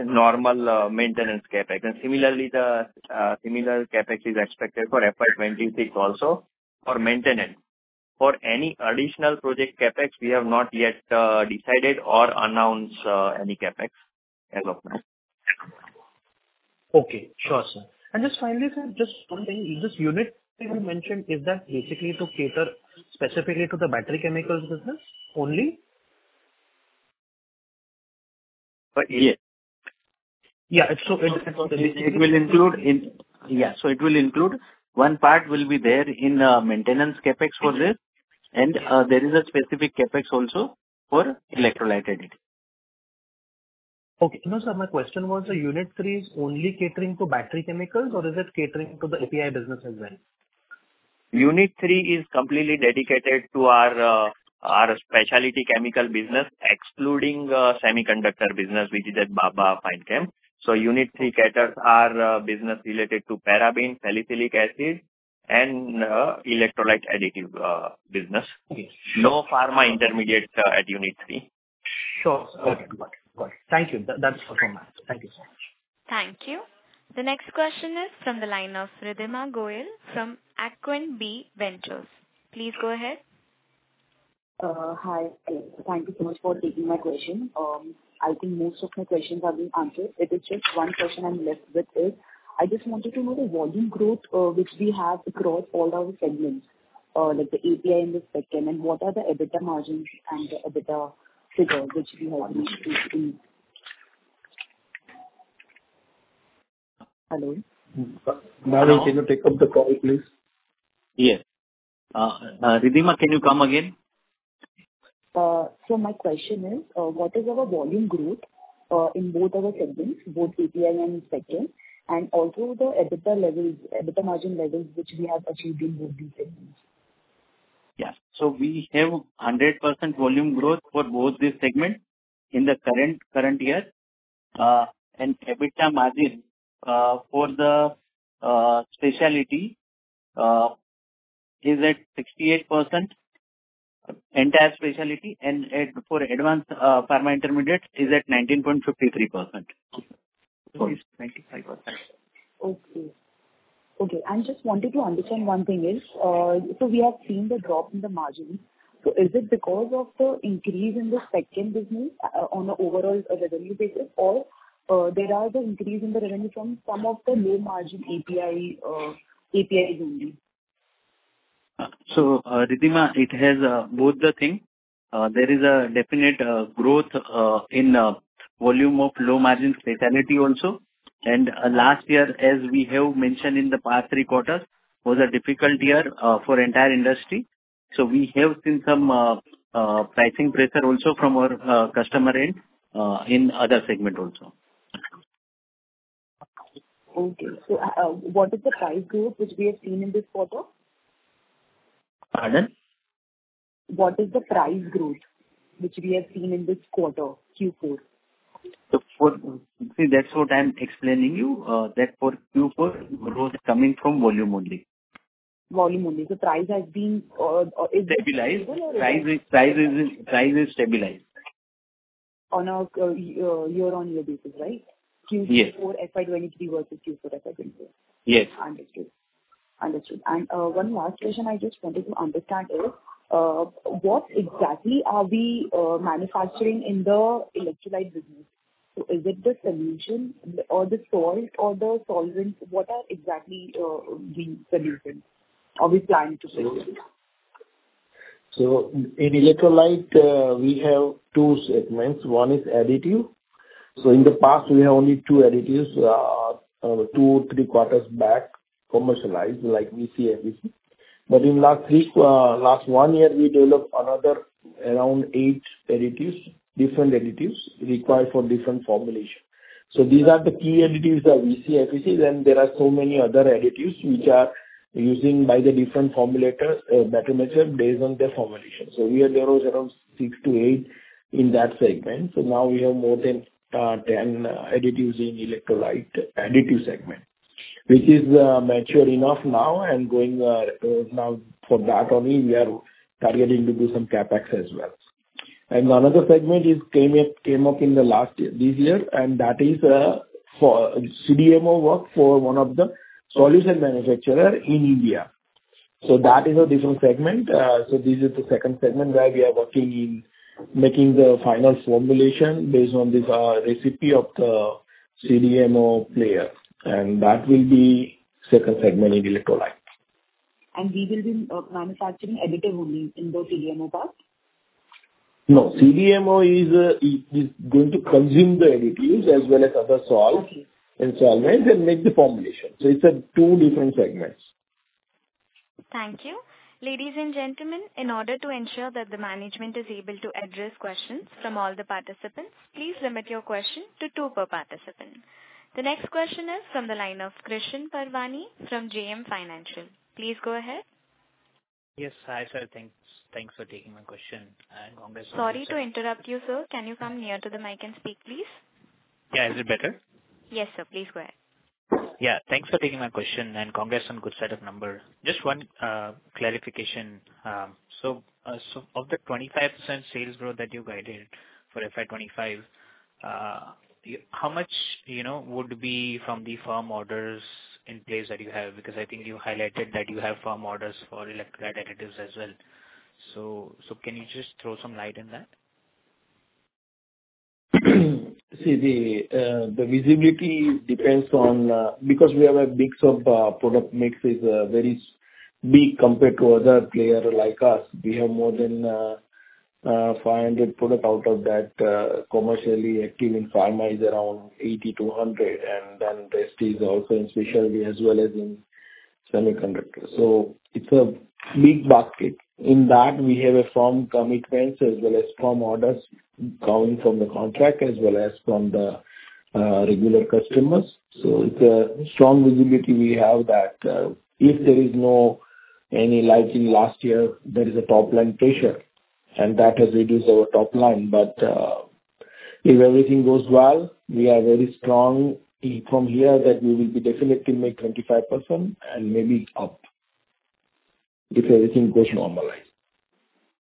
normal maintenance CAPEX. And similarly, the similar CAPEX is expected for FY26 also for maintenance. For any additional project CAPEX, we have not yet decided or announced any CAPEX as of now. Okay. Sure, sir. And just finally, sir, just one thing, this unit that you mentioned, is that basically to cater specifically to the battery chemicals business only? Yes. Yeah. So it will include. Yes. So it will include one part will be there in maintenance CAPEX for this. And there is a specific CAPEX also for electrolyte additive. Okay. No, sir, my question was, so Unit 3 is only catering to battery chemicals, or is it catering to the API business as well? Unit 3 is completely dedicated to our specialty chemical business excluding semiconductor business which is at Baba Fine Chemicals. So Unit 3 caters our business related to paraben, salicylic acid, and electrolyte additive business. No pharma intermediate at Unit 3. Sure, sir. Okay. Got it. Got it. Thank you. That's all from us. Thank you so much. Thank you. The next question is from the line of Ridhima Goyal from Aequitas Investment Consultancy. Please go ahead. Hi, thank you so much for taking my question. I think most of my questions have been answered. It is just one question I'm left with is. I just wanted to know the volume growth which we have across all our segments, like the API in the second, and what are the EBITDA margins and the EBITDA figure which we have reached in? Hello? Bhavin, can you take up the call, please? Yes. Ridhima, can you come again? My question is, what is our volume growth in both our segments, both API and second, and also the EBITDA margin levels which we have achieved in both these segments? Yes. So we have 100% volume growth for both these segments in the current year. EBITDA margin for the specialty is at 68%, entire specialty. For advanced pharma intermediate, it is at 19.53%. Okay. Okay. I just wanted to understand one thing else. So we have seen the drop in the margins. So is it because of the increase in the second business on an overall revenue basis, or there is an increase in the revenue from some of the low margin APIs only? Ridhima, it has both the thing. There is a definite growth in volume of low-margin specialty also. Last year, as we have mentioned in the past three quarters, was a difficult year for the entire industry. We have seen some pricing pressure also from our customer end in other segments also. Okay. What is the price growth which we have seen in this quarter? Pardon? What is the price growth which we have seen in this quarter, Q4? See, that's what I'm explaining you. That for Q4, growth is coming from volume only. Volume only. So price has been. Stabilized. Price is stabilized. On a year-on-year basis, right? Q4 FY23 versus Q4 FY24? Yes. Understood. Understood. One last question I just wanted to understand is, what exactly are we manufacturing in the electrolyte business? Is it the solution or the salt or the solvents? What are exactly we're producing or we're planning to produce? So in electrolyte, we have two segments. One is additive. So in the past, we have only two additives two-three quarters back commercialized like VC, FEC. But in the last one year, we developed another around eight different additives required for different formulations. So these are the key additives that we see, FEC. Then there are so many other additives which are used by the different formulators battery makers based on their formulations. So we had those around six to eight in that segment. So now we have more than 10 additives in electrolyte additive segment which is mature enough now. And now for that only, we are targeting to do some CAPEX as well. And another segment came up in this year, and that is CDMO work for one of the solution manufacturers in India. So that is a different segment. This is the second segment where we are working in making the final formulation based on this recipe of the CDMO player. That will be the second segment in electrolyte. We will be manufacturing additive only in the CDMO part? No. CDMO is going to consume the additives as well as other salts and solvents and make the formulation. So it's two different segments. Thank you. Ladies and gentlemen, in order to ensure that the management is able to address questions from all the participants, please limit your question to two per participant. The next question is from the line of Krishan Parvani from JM Financial. Please go ahead. Yes, hi, sir. Thanks for taking my question. And congrats on. Sorry to interrupt you, sir. Can you come near to the mic and speak, please? Yeah. Is it better? Yes, sir. Please go ahead. Yeah. Thanks for taking my question. And congrats on good set of numbers. Just one clarification. So of the 25% sales growth that you guided for FY25, how much would be from the firm orders in place that you have? Because I think you highlighted that you have firm orders for electrolyte additives as well. So can you just throw some light on that? See, the visibility depends on because we have a mix of product mix is very big compared to other players like us. We have more than 500 products out of that commercially active in pharma is around 80-200. And then the rest is also in specialty as well as in semiconductors. So it's a big basket. In that, we have firm commitments as well as firm orders coming from the contract as well as from the regular customers. So it's a strong visibility we have that if there is any lightning last year, there is a top-line pressure. And that has reduced our top line. But if everything goes well, we are very strong from here that we will definitely make 25% and maybe up if everything goes normalized.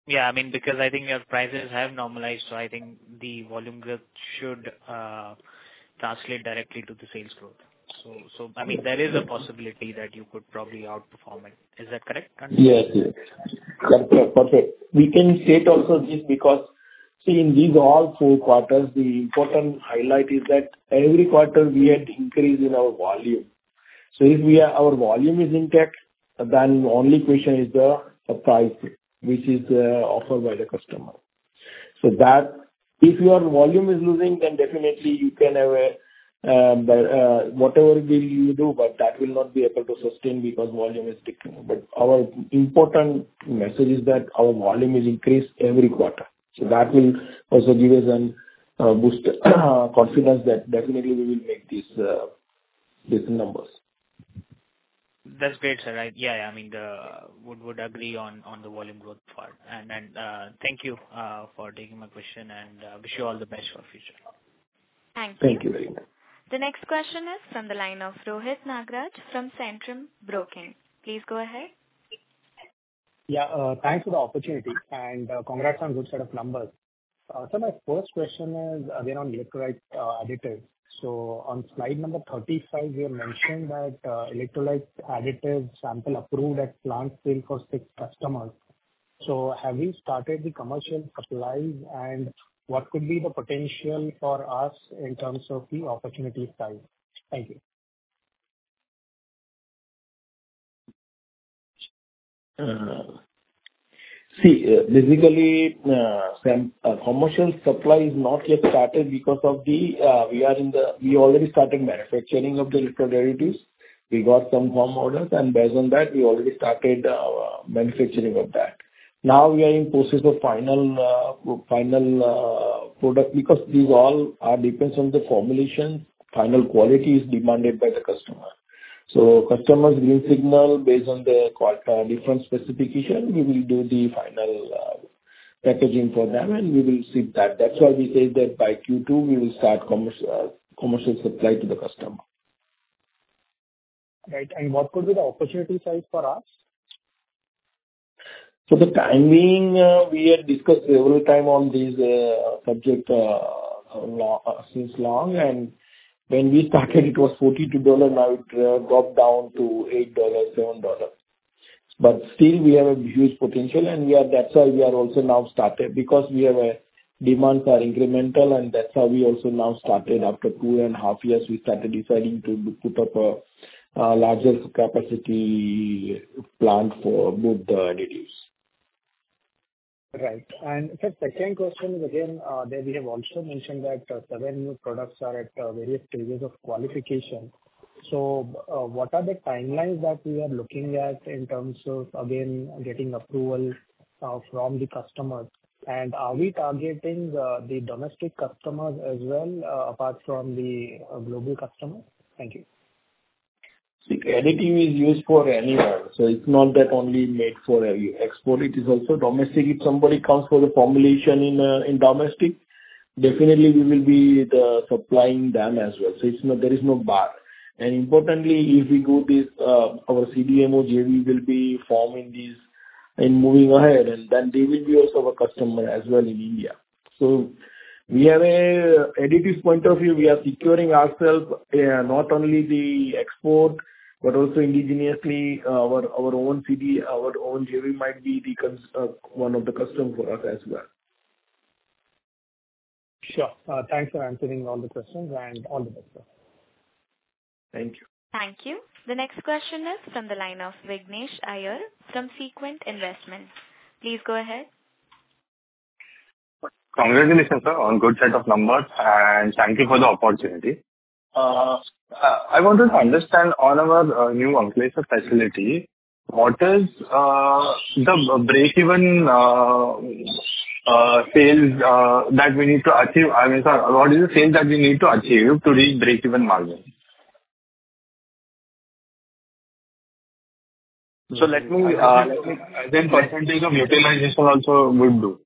Yeah. I mean, because I think your prices have normalized, so I think the volume growth should translate directly to the sales growth. So I mean, there is a possibility that you could probably outperform it. Is that correct understanding? Yes. Yes. Perfect. We can state also this because, see, in these all four quarters, the important highlight is that every quarter, we had increase in our volume. So if our volume is intact, then the only question is the price which is offered by the customer. So if your volume is losing, then definitely, you can have whatever deal you do, but that will not be able to sustain because volume is decreasing. But our important message is that our volume is increased every quarter. So that will also give us a boost of confidence that definitely, we will make these numbers. That's great, sir. Yeah. I mean, I would agree on the volume growth part. And thank you for taking my question, and I wish you all the best for the future. Thank you. Thank you very much. The next question is from the line of Rohit Nagraj from Centrum Broking. Please go ahead. Yeah. Thanks for the opportunity. Congrats on good set of numbers. My first question is again on electrolyte additives. On slide number 35, we have mentioned that electrolyte additives sample approved at plant scale for six customers. Have we started the commercial supplies, and what could be the potential for us in terms of the opportunity size? Thank you. See, basically, commercial supply is not yet started because we already started manufacturing of the electrolyte additives. We got some firm orders, and based on that, we already started manufacturing of that. Now, we are in the process of final product because these all depend on the formulations. Final quality is demanded by the customer. So, customers' green signal, based on the different specification, we will do the final packaging for them, and we will see that. That's why we say that by Q2, we will start commercial supply to the customer. Right. And what could be the opportunity size for us? For the time being, we had discussed several times on this subject since long. When we started, it was $42. Now, it dropped down to $8, $7. But still, we have a huge potential. That's why we are also now started because demands are incremental, and that's how we also now started. After two and a half years, we started deciding to put up a larger capacity plant for both the additives. Right. And sir, second question is again that we have also mentioned that seven new products are at various stages of qualification. So what are the timelines that we are looking at in terms of, again, getting approval from the customers? And are we targeting the domestic customers as well apart from the global customers? Thank you. See, additive is used for anywhere. So it's not that only made for export. It is also domestic. If somebody comes for the formulation in domestic, definitely, we will be supplying them as well. So there is no bar. And importantly, if we go with our CDMO, JV will be forming this and moving ahead. And then they will be also our customer as well in India. So we have an additive point of view. We are securing ourselves not only the export but also indigenously, our own JV might be one of the customers for us as well. Sure. Thanks for answering all the questions and all the best, sir. Thank you. Thank you. The next question is from the line of Vignesh Iyer from Sequent Investments. Please go ahead. Congratulations, sir, on good set of numbers. And thank you for the opportunity. I wanted to understand on our new Ankleshwar facility, what is the break-even sales that we need to achieve? I mean, sir, what is the sales that we need to achieve to reach break-even margin? So let me present percentage of utilization also would do.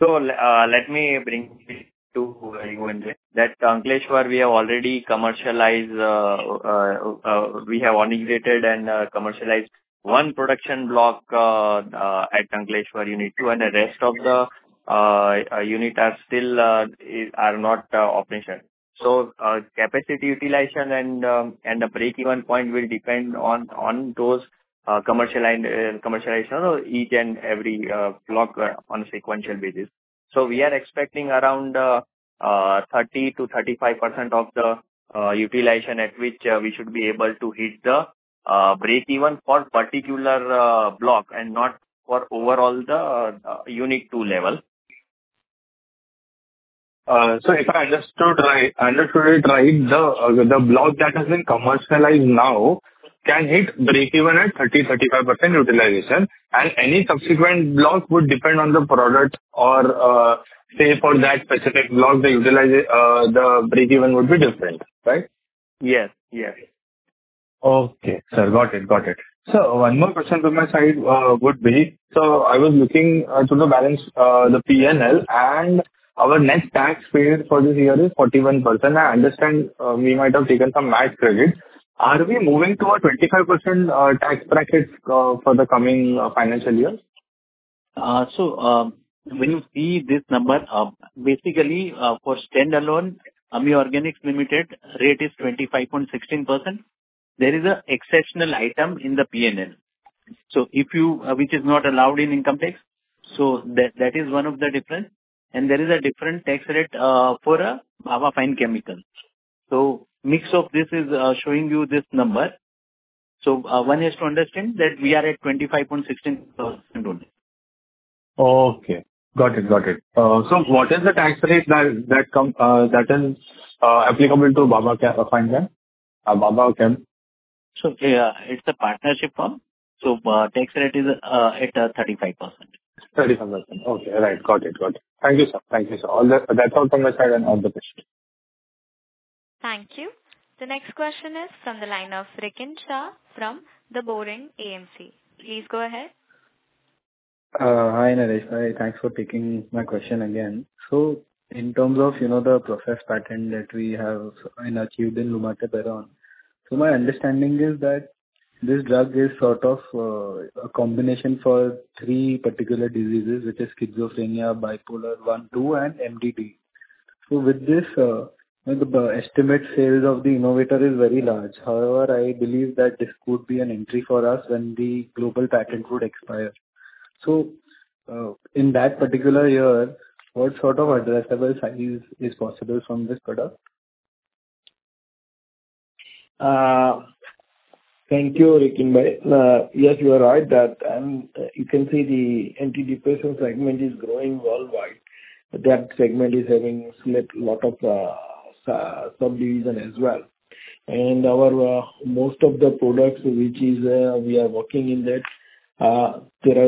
I mean. So let me bring it to you, Andrew. That Ankleshwar, we have already commercialized. We have integrated and commercialized one production block at Ankleshwar Unit 2. And the rest of the units are still not operational. So capacity utilization and the break-even point will depend on those commercialization or each and every block on a sequential basis. We are expecting around 30%-35% of the utilization at which we should be able to hit the break-even for a particular block and not for overall the unit two level. If I understood it right, the block that has been commercialized now can hit break-even at 30%-35% utilization. Any subsequent block would depend on the product or, say, for that specific block, the break-even would be different, right? Yes. Yes. Okay, sir. Got it. Got it. So one more question from my side would be, so I was looking to balance the P&L. And our net tax payer for this year is 41%. I understand we might have taken some match credit. Are we moving to a 25% tax bracket for the coming financial year? When you see this number, basically, for standalone, AMI Organics Limited, rate is 25.16%. There is an exceptional item in the P&L which is not allowed in income tax. So that is one of the differences. There is a different tax rate for our fine chemicals. Mix of this is showing you this number. One has to understand that we are at 25.16% only. Okay. Got it. Got it. So what is the tax rate that is applicable to Baba Fine Chem? So yeah, it's a partnership firm. So tax rate is at 35%. 35%. Okay. Right. Got it. Got it. Thank you, sir. Thank you, sir. That's all from my side and all the best. Thank you. The next question is from the line of Rikin Shah from The Boring AMC. Please go ahead. Hi, Nareshbhai. Thanks for taking my question again. So in terms of the process patent that we have achieved in Lumateperone, so my understanding is that this drug is sort of a combination for three particular diseases which are schizophrenia, bipolar 1, 2, and MDD. So with this, the estimated sales of the innovator is very large. However, I believe that this could be an entry for us when the global patent would expire. So in that particular year, what sort of addressable size is possible from this product? Thank you, Rikinbhai. Yes, you are right that you can see the antidepressant segment is growing worldwide. That segment is having a lot of subdivision as well. Most of the products which we are working in that,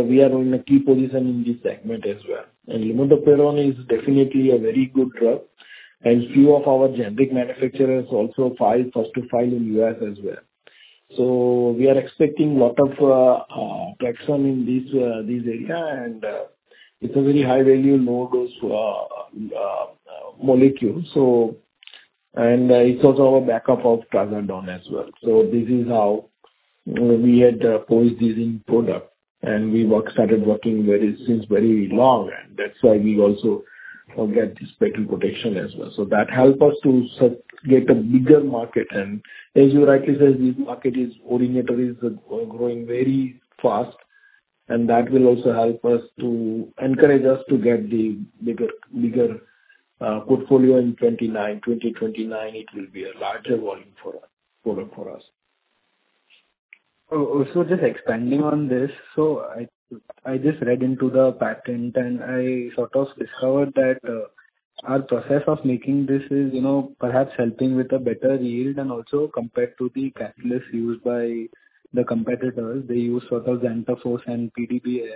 we are in a key position in this segment as well. Lumateperone is definitely a very good drug. Few of our generic manufacturers also first to file in the U.S. as well. So we are expecting a lot of traction in this area, and it's a very high-value low-dose molecule. It's also our backup of Trazodone as well. So this is how we had posed this product. We started working since very long. That's why we also get this special protection as well. So that helps us to get a bigger market. As you rightly say, this market is growing very fast. That will also help us to encourage us to get the bigger portfolio. In 2029, it will be a larger volume product for us. So just expanding on this, so I just read into the patent, and I sort of discovered that our process of making this is perhaps helping with a better yield. And also compared to the catalyst used by the competitors, they use sort of Xantphos and Pd(dba)2.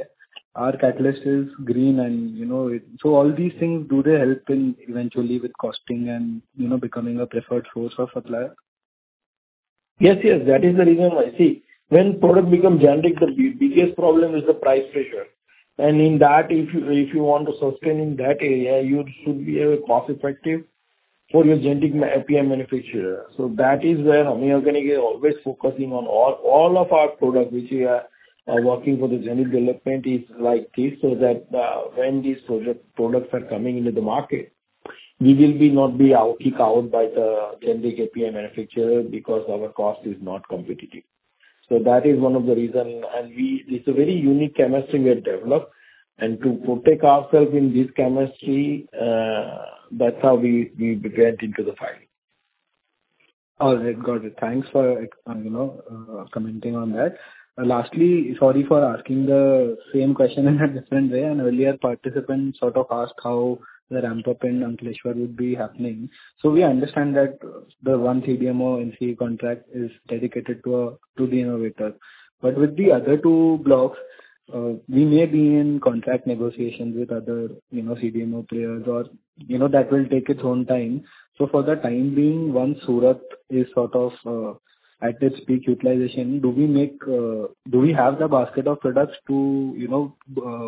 Our catalyst is green. And so all these things, do they help eventually with costing and becoming a preferred source of supplier? Yes. Yes. That is the reason why. See, when product becomes generic, the biggest problem is the price pressure. And in that, if you want to sustain in that area, you should be cost-effective for your generic API manufacturer. So that is where AMI Organics is always focusing on. All of our product which we are working for the generic development is like this so that when these products are coming into the market, we will not be kicked out by the generic API manufacturer because our cost is not competitive. So that is one of the reasons. And it's a very unique chemistry we have developed. And to protect ourselves in this chemistry, that's how we went into the fight. All right. Got it. Thanks for commenting on that. Lastly, sorry for asking the same question in a different way. An earlier participant sort of asked how the ramp up in Ankleshwar would be happening. So we understand that the one CDMO and key contract is dedicated to the innovator. But with the other two blocks, we may be in contract negotiations with other CDMO players. Or that will take its own time. So for the time being, once Surat is sort of at its peak utilization, do we have the basket of products to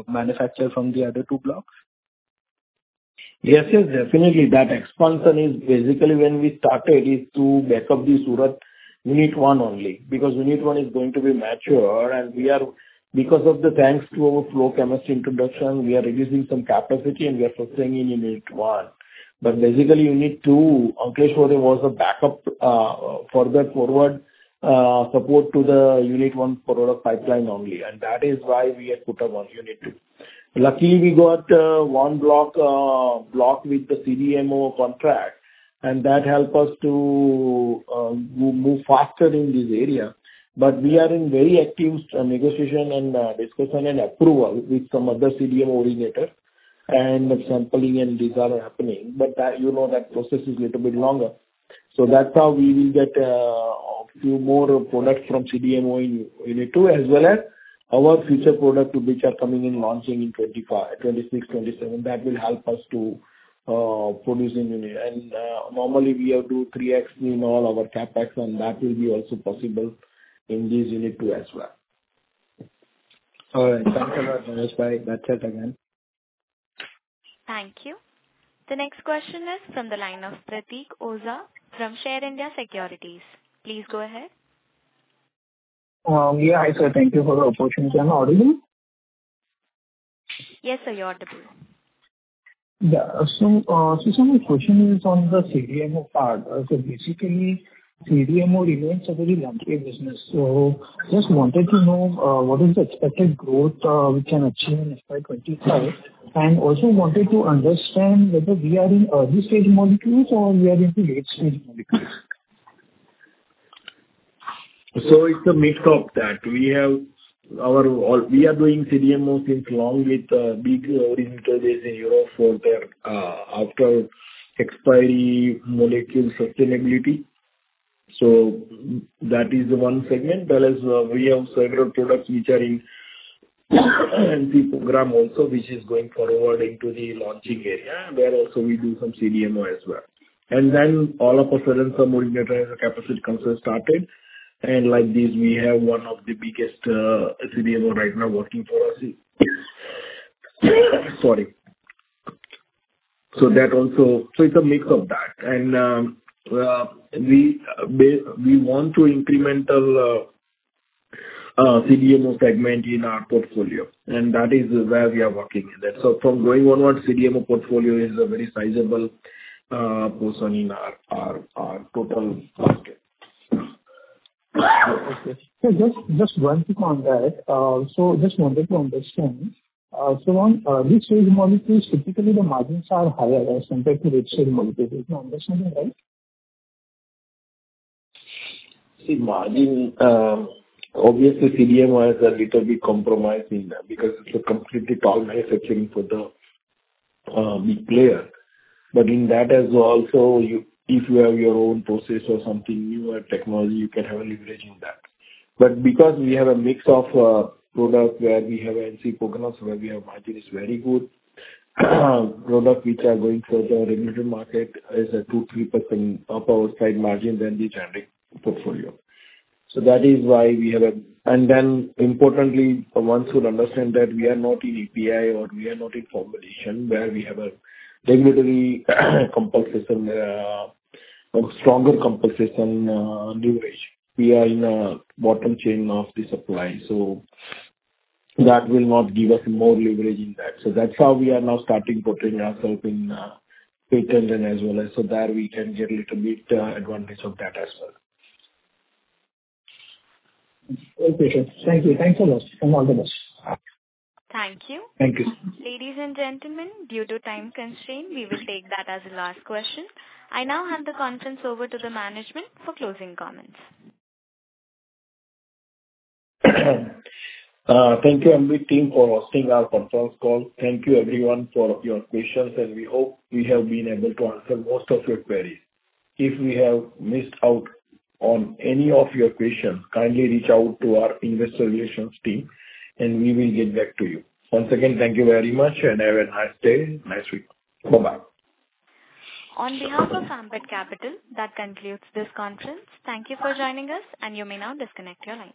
manufacture from the other two blocks? Yes. Yes. Definitely. That expansion is basically when we started is to back up the Surat Unit 1 only because Unit 1 is going to be mature. And because of the thanks to our flow chemistry introduction, we are reducing some capacity, and we are sustaining Unit 1. But basically, Unit 2, Ankleshwar was a backup further forward support to the Unit 1 product pipeline only. And that is why we had put up on Unit 2. Luckily, we got one block with the CDMO contract, and that helped us to move faster in this area. But we are in very active negotiation and discussion and approval with some other CDMO regulators. And sampling and these are happening. But that process is a little bit longer. So that's how we will get a few more products from CDMO in unit two as well as our future product which are coming in launching in 2026, 2027. That will help us to produce in unit. And normally, we have to 3x in all our CAPEX, and that will be also possible in this unit two as well. All right. Thanks a lot, Nareshbhai. That's it again. Thank you. The next question is from the line of Prateek Oza from Share India Securities. Please go ahead. Yeah. Hi, sir. Thank you for the opportunity. Am I audible? Yes, sir. You're audible. Yeah. So some of the question is on the CDMO part. So basically, CDMO remains a very large business. So I just wanted to know what is the expected growth we can achieve in FY25. And also wanted to understand whether we are in early-stage molecules or we are into late-stage molecules. So it's a mix of that. We are doing CDMO since long with big organizations in Europe for their after-expiry molecule sustainability. So that is the one segment. Whereas we have several products which are in NCE program also which is going forward into the launching area. There also, we do some CDMO as well. And then all of a sudden, some organizations capacity consult started. And like this, we have one of the biggest CDMO right now working for us. Sorry. So it's a mix of that. And we want to incremental CDMO segment in our portfolio. And that is where we are working in that. So from going onward, CDMO portfolio is a very sizable portion in our total market. Okay. Just wanted to add that. So just wanted to understand, so on these small molecules, typically, the margins are higher as compared to large molecules. Am I understanding right? See, obviously, CDMO has a little bit compromised in that because it's a completely toll manufacturing for the big player. But in that as well, also, if you have your own process or something newer technology, you can have a leverage in that. But because we have a mix of products where we have NCE programs, where we have margin is very good, products which are going further regulatory market is a 2%-3% up our side margin than the generic portfolio. So that is why we have a. And then importantly, once you understand that we are not in API or we are not in formulation where we have a regulatory compulsion, stronger compulsion leverage. We are in a bottom chain of the supply. So that will not give us more leverage in that. So that's how we are now starting putting ourselves in patents as well so that we can get a little bit advantage of that as well. Okay, sir. Thank you. Thanks a lot. All the best. Thank you. Thank you. Ladies and gentlemen, due to time constraints, we will take that as a last question. I now hand the conference over to the management for closing comments. Thank you, Ambit team, for hosting our conference call. Thank you, everyone, for your questions. We hope we have been able to answer most of your queries. If we have missed out on any of your questions, kindly reach out to our investor relations team, and we will get back to you. Once again, thank you very much. Have a nice day. Nice week. Bye-bye. On behalf of Ambit Capital, that concludes this conference. Thank you for joining us, and you may now disconnect your line.